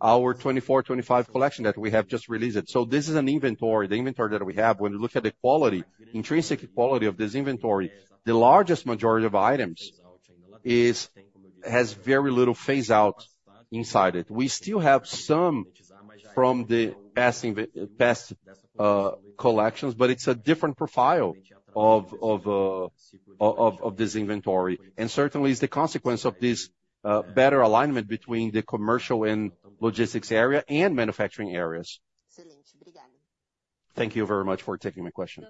our 2024-2025 collection that we have just released. So this is an inventory, the inventory that we have. When you look at the quality, intrinsic quality of this inventory, the largest majority of items has very little phase-out inside it. We still have some from the past collections, but it's a different profile of this inventory, and certainly is the consequence of this better alignment between the commercial and logistics area and manufacturing areas. Thank you very much for taking my question.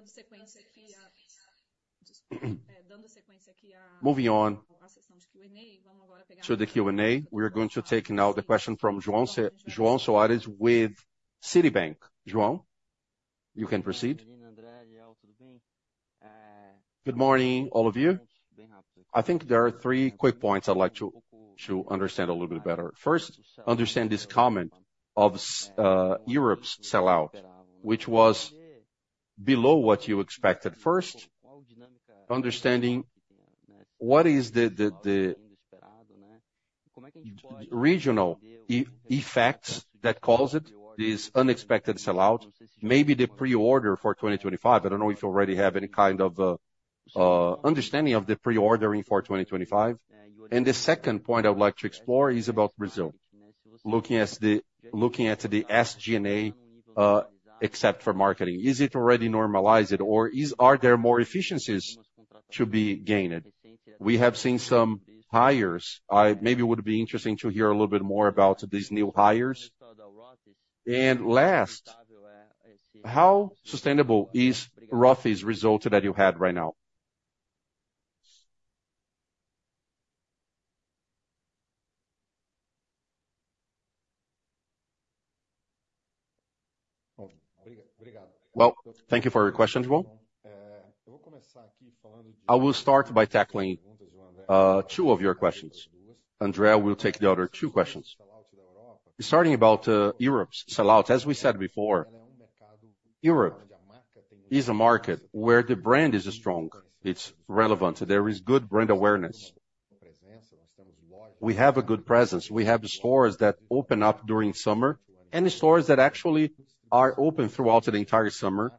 Moving on to the Q&A, we are going to take now the question from João Soares with Citibank. João, you can proceed. Good morning, all of you. I think there are three quick points I'd like to understand a little bit better. First, understand this comment of Europe's sell-out, which was below what you expected. First, understanding what is the regional effects that caused this unexpected sell-out, maybe the pre-order for 2025. I don't know if you already have any kind of understanding of the pre-ordering for 2025. And the second point I would like to explore is about Brazil. Looking at the SG&A, except for marketing, is it already normalized, or are there more efficiencies to be gained? We have seen some hires. Maybe it would be interesting to hear a little bit more about these new hires. And last, how sustainable is Rothy's result that you had right now? Well, thank you for your question, João. I will start by tackling two of your questions. André will take the other two questions. Starting about Europe's sell-out, as we said before, Europe is a market where the brand is strong, it's relevant, there is good brand awareness. We have a good presence. We have stores that open up during summer, and stores that actually are open throughout the entire summer.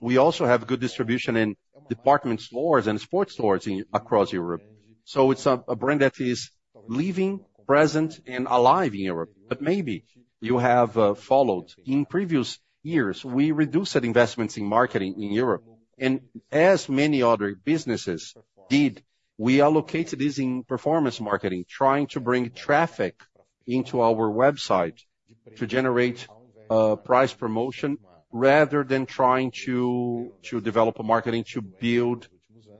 We also have good distribution in department stores and sports stores across Europe. So it's a brand that is living, present, and alive in Europe. But maybe you have followed. In previous years, we reduced our investments in marketing in Europe, and as many other businesses did, we allocated this in performance marketing, trying to bring traffic into our website to generate price promotion, rather than trying to develop a marketing to build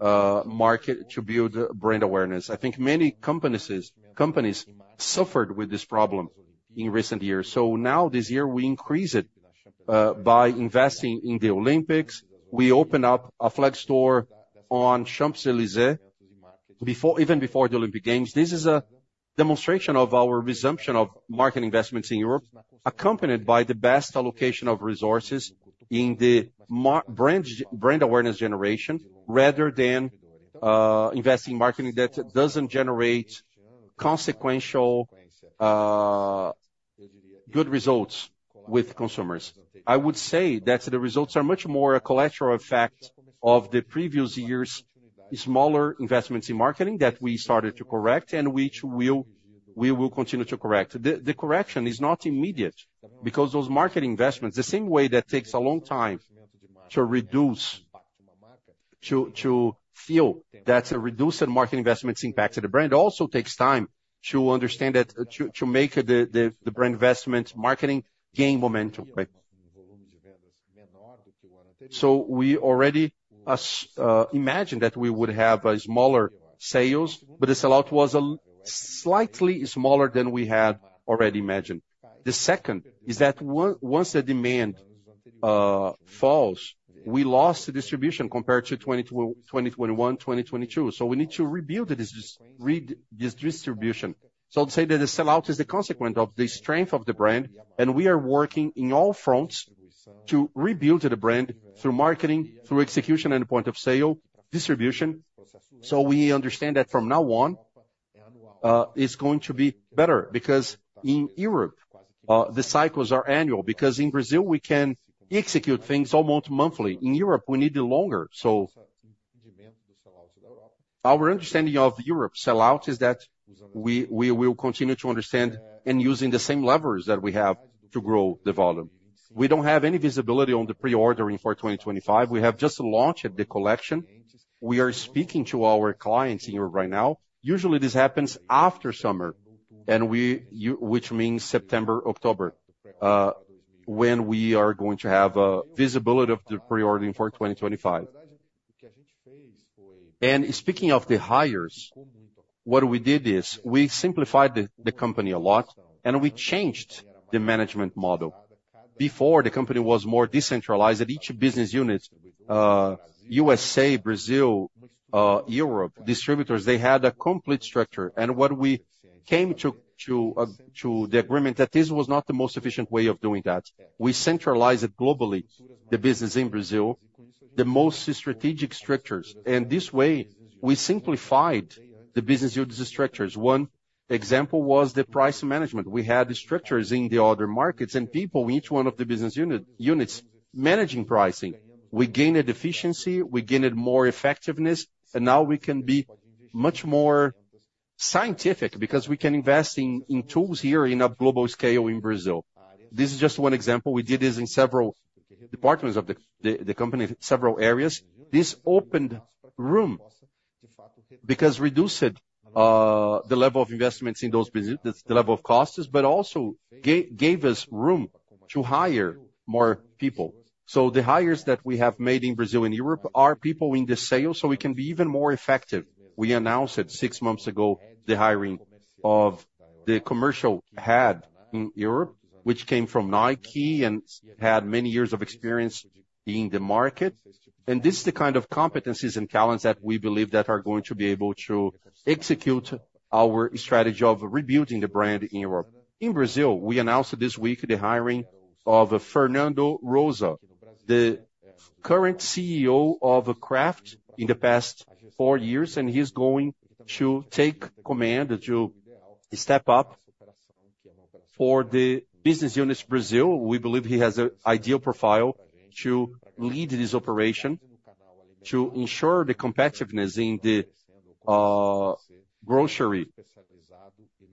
to build brand awareness. I think many companies suffered with this problem in recent years. So now, this year, we increase it by investing in the Olympics. We open up a flagship store on Champs-Élysées, before, even before the Olympic Games. This is a demonstration of our resumption of market investments in Europe, accompanied by the best allocation of resources in the brand awareness generation, rather than investing in marketing that doesn't generate consequential good results with consumers. I would say that the results are much more a collateral effect of the previous years' smaller investments in marketing, that we started to correct, and which we'll continue to correct. The correction is not immediate, because those marketing investments, the same way that takes a long time to reduce, to feel that's a reduced marketing investments impact to the brand, also takes time to understand that, to make the brand investment marketing gain momentum, right? So we already imagined that we would have a smaller sales, but the sell-out was slightly smaller than we had already imagined. The second is that once the demand falls, we lost the distribution compared to 2021, 2022, so we need to rebuild this distribution. So I'd say that the sell-out is the consequence of the strength of the brand, and we are working in all fronts to rebuild the brand through marketing, through execution and point of sale, distribution. So we understand that from now on, it's going to be better, because in Europe, the cycles are annual. Because in Brazil, we can execute things almost monthly. In Europe, we need it longer. So our understanding of Europe sell-out is that we, we will continue to understand and using the same levers that we have to grow the volume. We don't have any visibility on the pre-ordering for 2025. We have just launched the collection. We are speaking to our clients in Europe right now. Usually, this happens after summer, and which means September, October, when we are going to have, visibility of the pre-ordering for 2025. And speaking of the hires, what we did is, we simplified the, the company a lot, and we changed the management model. Before, the company was more decentralized, at each business unit, USA, Brazil, Europe, distributors, they had a complete structure. And what we came to the agreement that this was not the most efficient way of doing that. We centralized it globally, the business in Brazil, the most strategic structures, and this way, we simplified the business unit structures. One example was the price management. We had structures in the other markets and people, each one of the business units, managing pricing. We gained efficiency, we gained more effectiveness, and now we can be much more scientific, because we can invest in tools here in a global scale in Brazil. This is just one example. We did this in several departments of the company, several areas. This opened room because reduced the level of investments in those the level of costs, but also gave us room to hire more people. So the hires that we have made in Brazil and Europe are people in the sales, so we can be even more effective. We announced it six months ago, the hiring of the commercial head in Europe, which came from Nike and had many years of experience in the market. And this is the kind of competencies and talents that we believe that are going to be able to execute our strategy of rebuilding the brand in Europe. In Brazil, we announced this week the hiring of Fernando Rosa, the current CEO of Kraft in the past four years, and he's going to take command, to step up for the business unit Brazil. We believe he has an ideal profile to lead this operation, to ensure the competitiveness in the grocery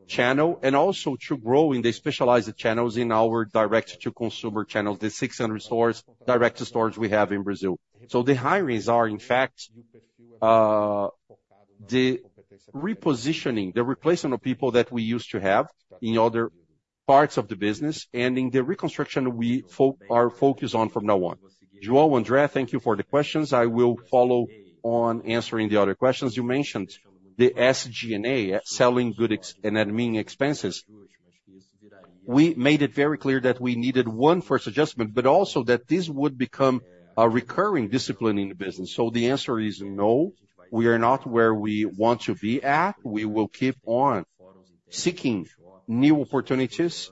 channel, and also to grow in the specialized channels in our direct-to-consumer channel, the 600 stores, direct stores we have in Brazil. So the hirings are, in fact, the repositioning, the replacement of people that we used to have in other parts of the business and in the reconstruction we are focused on from now on. João, André, thank you for the questions. I will follow on answering the other questions. You mentioned the SG&A, selling, general, and admin expenses. We made it very clear that we needed one first adjustment, but also that this would become a recurring discipline in the business. So the answer is no, we are not where we want to be at. We will keep on seeking new opportunities.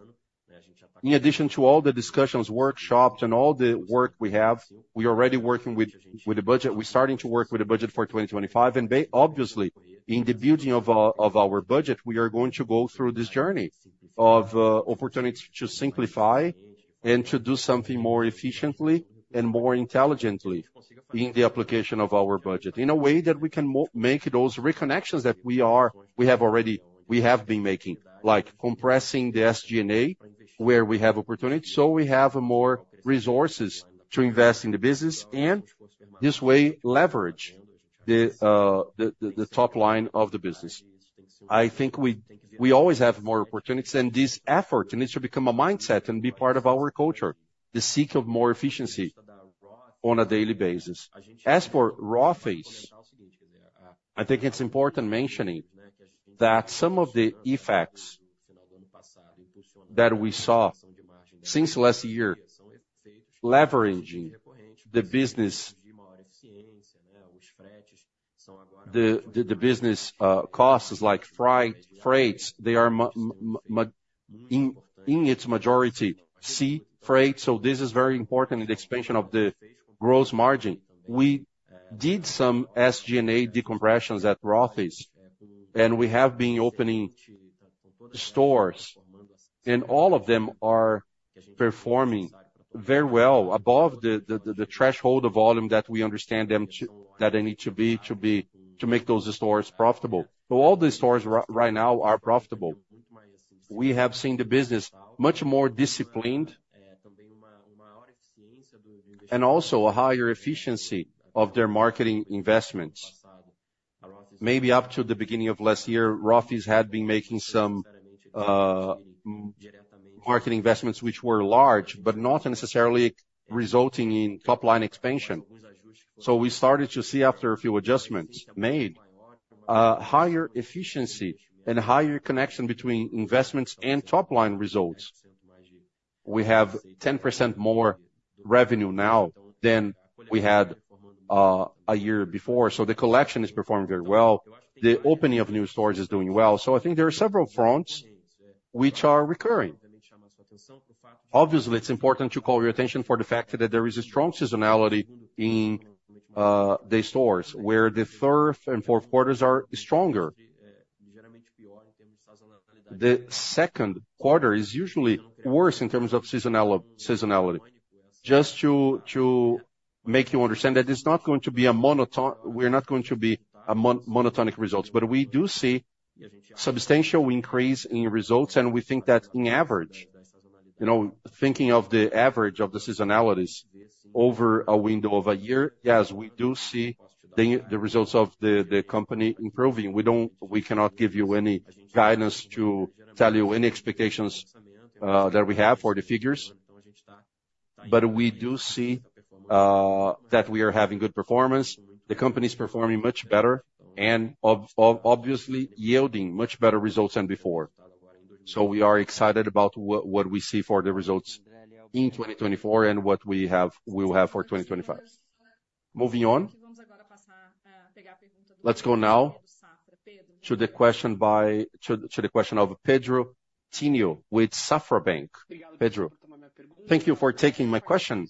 In addition to all the discussions, workshops, and all the work we have, we are already working with the budget. We're starting to work with the budget for 2025, and obviously, in the building of our budget, we are going to go through this journey of opportunities to simplify and to do something more efficiently and more intelligently in the application of our budget, in a way that we can make those reconnections that we are we have already, we have been making, like compressing the SG&A, where we have opportunity, so we have more resources to invest in the business, and this way, leverage the top line of the business. I think we always have more opportunities, and this effort needs to become a mindset and be part of our culture, to seek of more efficiency on a daily basis. As for Rothy's, I think it's important mentioning that some of the effects that we saw since last year, leveraging the business costs, like freights, they are, in its majority, sea freight, so this is very important in the expansion of the gross margin. We did some SG&A decompressions at Rothy's, and we have been opening stores, and all of them are performing very well above the threshold of volume that we understand them to—that they need to be to make those stores profitable. So all the stores right now are profitable. We have seen the business much more disciplined, and also a higher efficiency of their marketing investments. Maybe up to the beginning of last year, Havaianas had been making some marketing investments which were large, but not necessarily resulting in top-line expansion. So we started to see, after a few adjustments made, higher efficiency and higher connection between investments and top-line results. We have 10% more revenue now than we had a year before, so the collection is performing very well. The opening of new stores is doing well. So I think there are several fronts which are recurring. Obviously, it's important to call your attention for the fact that there is a strong seasonality in the stores, where the third and fourth quarters are stronger. The second quarter is usually worse in terms of seasonality. Just to make you understand that it's not going to be a monotonic results, but we do see substantial increase in results, and we think that in average, you know, thinking of the average of the seasonalities over a window of a year, yes, we do see the results of the company improving. We cannot give you any guidance to tell you any expectations that we have for the figures. But we do see that we are having good performance. The company is performing much better and obviously yielding much better results than before. So we are excited about what we see for the results in 2024 and what we will have for 2025. Moving on. Let's go now to the question by Vitor Pini with Banco Safra. Vitor? Thank you for taking my question.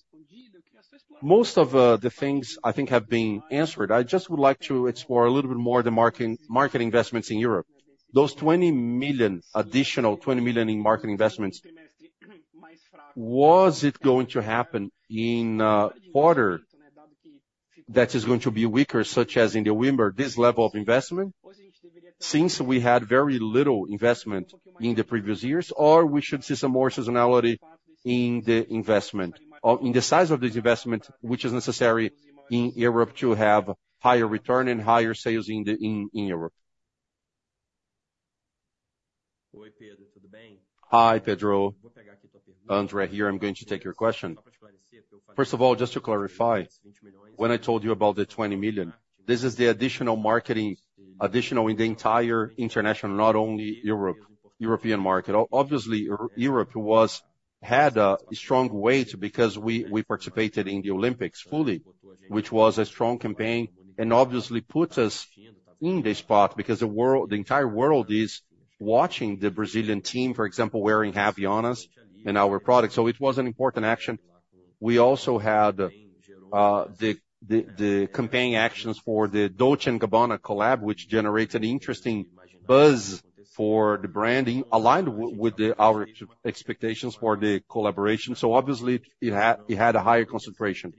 Most of the things I think have been answered. I just would like to explore a little bit more the marketing investments in Europe. Those 20 million, additional 20 million in marketing investments, was it going to happen in quarter that is going to be weaker, such as in the winter, this level of investment, since we had very little investment in the previous years, or we should see some more seasonality in the investment or in the size of this investment, which is necessary in Europe to have higher return and higher sales in Europe?... Hi, Vitor. André here, I'm going to take your question. First of all, just to clarify, when I told you about the 20 million, this is the additional marketing, additional in the entire international, not only Europe, European market. Obviously, Europe had a strong weight because we participated in the Olympics fully, which was a strong campaign and obviously puts us in the spot because the world, the entire world is watching the Brazilian team, for example, wearing Havaianas and our products. So it was an important action. We also had the campaign actions for the Dolce & Gabbana collab, which generated interesting buzz for the branding, aligned with our expectations for the collaboration. So obviously, it had a higher concentration.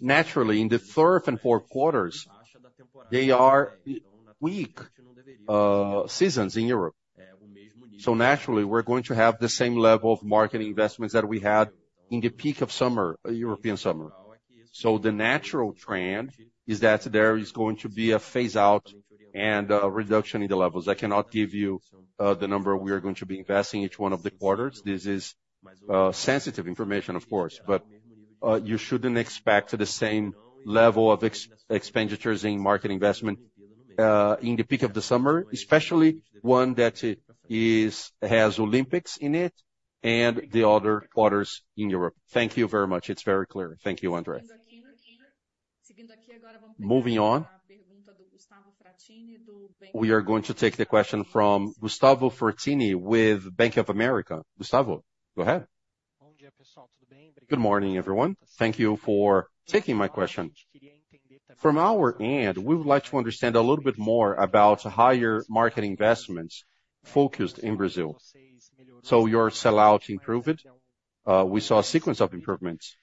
Naturally, in the third and fourth quarters, they are weak seasons in Europe. So naturally, we're going to have the same level of marketing investments that we had in the peak of summer, European summer. So the natural trend is that there is going to be a phase-out and reduction in the levels. I cannot give you the number we are going to be investing each one of the quarters. This is sensitive information, of course, but you shouldn't expect the same level of expenditures in market investment in the peak of the summer, especially one that has Olympics in it and the other quarters in Europe. Thank you very much. It's very clear. Thank you, André. Moving on, we are going to take the question from Gustavo Fratin with Bank of America. Gustavo, go ahead. Good morning, everyone. Thank you for taking my question. From our end, we would like to understand a little bit more about higher marketing investments focused in Brazil. So your sell-out improved. We saw a sequence of improvements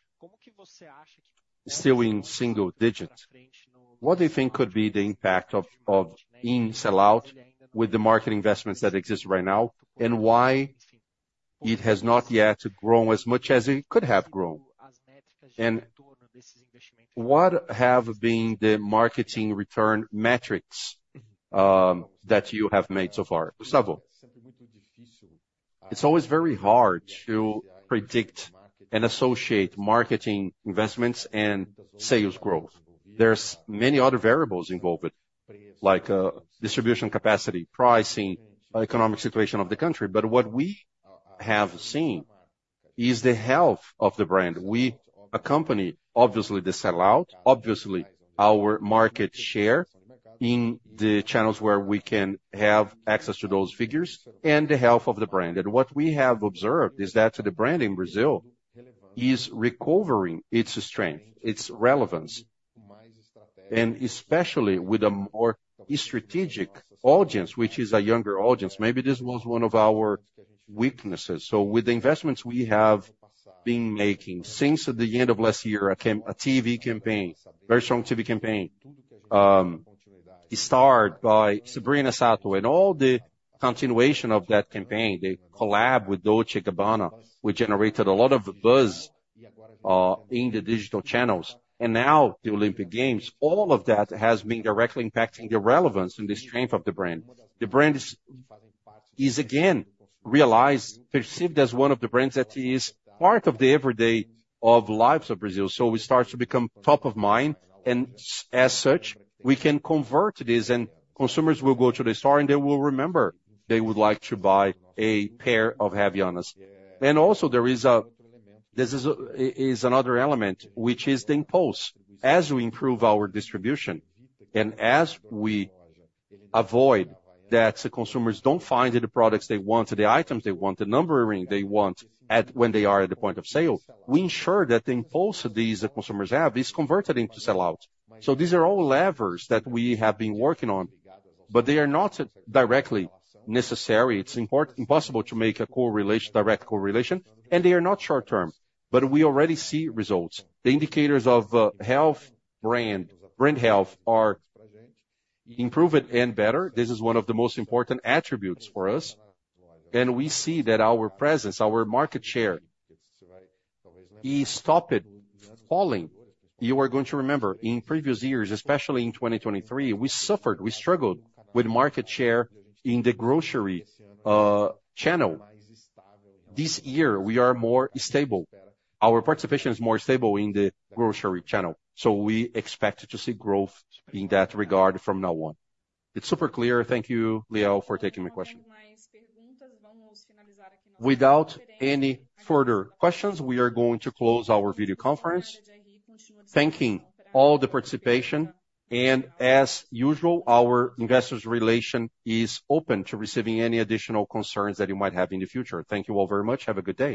still in single digits. What do you think could be the impact of in sell-out with the marketing investments that exist right now, and why it has not yet grown as much as it could have grown? And what have been the marketing return metrics that you have made so far? Gustavo? It's always very hard to predict and associate marketing investments and sales growth. There's many other variables involved, like distribution capacity, pricing, economic situation of the country. But what we have seen is the health of the brand. We accompany, obviously, the sell-out, obviously, our market share in the channels where we can have access to those figures and the health of the brand. What we have observed is that the brand in Brazil is recovering its strength, its relevance, and especially with a more strategic audience, which is a younger audience. Maybe this was one of our weaknesses. With the investments we have been making since the end of last year, a TV campaign, very strong TV campaign, starred by Sabrina Sato and all the continuation of that campaign, the collab with Dolce & Gabbana, which generated a lot of buzz in the digital channels, and now the Olympic Games. All of that has been directly impacting the relevance and the strength of the brand. The brand is again realized, perceived as one of the brands that is part of the everyday of lives of Brazil. So we start to become top of mind, and as such, we can convert this and consumers will go to the store, and they will remember they would like to buy a pair of Havaianas. And also there is another element, which is the impulse. As we improve our distribution and as we avoid that the consumers don't find the products they want, the items they want, the numbering they want when they are at the point of sale, we ensure that the impulse these consumers have is converted into sell-out. So these are all levers that we have been working on, but they are not directly necessary. It's impossible to make a correlation, direct correlation, and they are not short term, but we already see results. The indicators of brand health are improved and better. This is one of the most important attributes for us, and we see that our presence, our market share, is stopped falling. You are going to remember in previous years, especially in 2023, we suffered, we struggled with market share in the grocery channel. This year, we are more stable. Our participation is more stable in the grocery channel, so we expect to see growth in that regard from now on. It's super clear. Thank you, Liel, for taking my question. Without any further questions, we are going to close our video conference, thanking all the participation, and as usual, our investors relation is open to receiving any additional concerns that you might have in the future. Thank you all very much. Have a good day.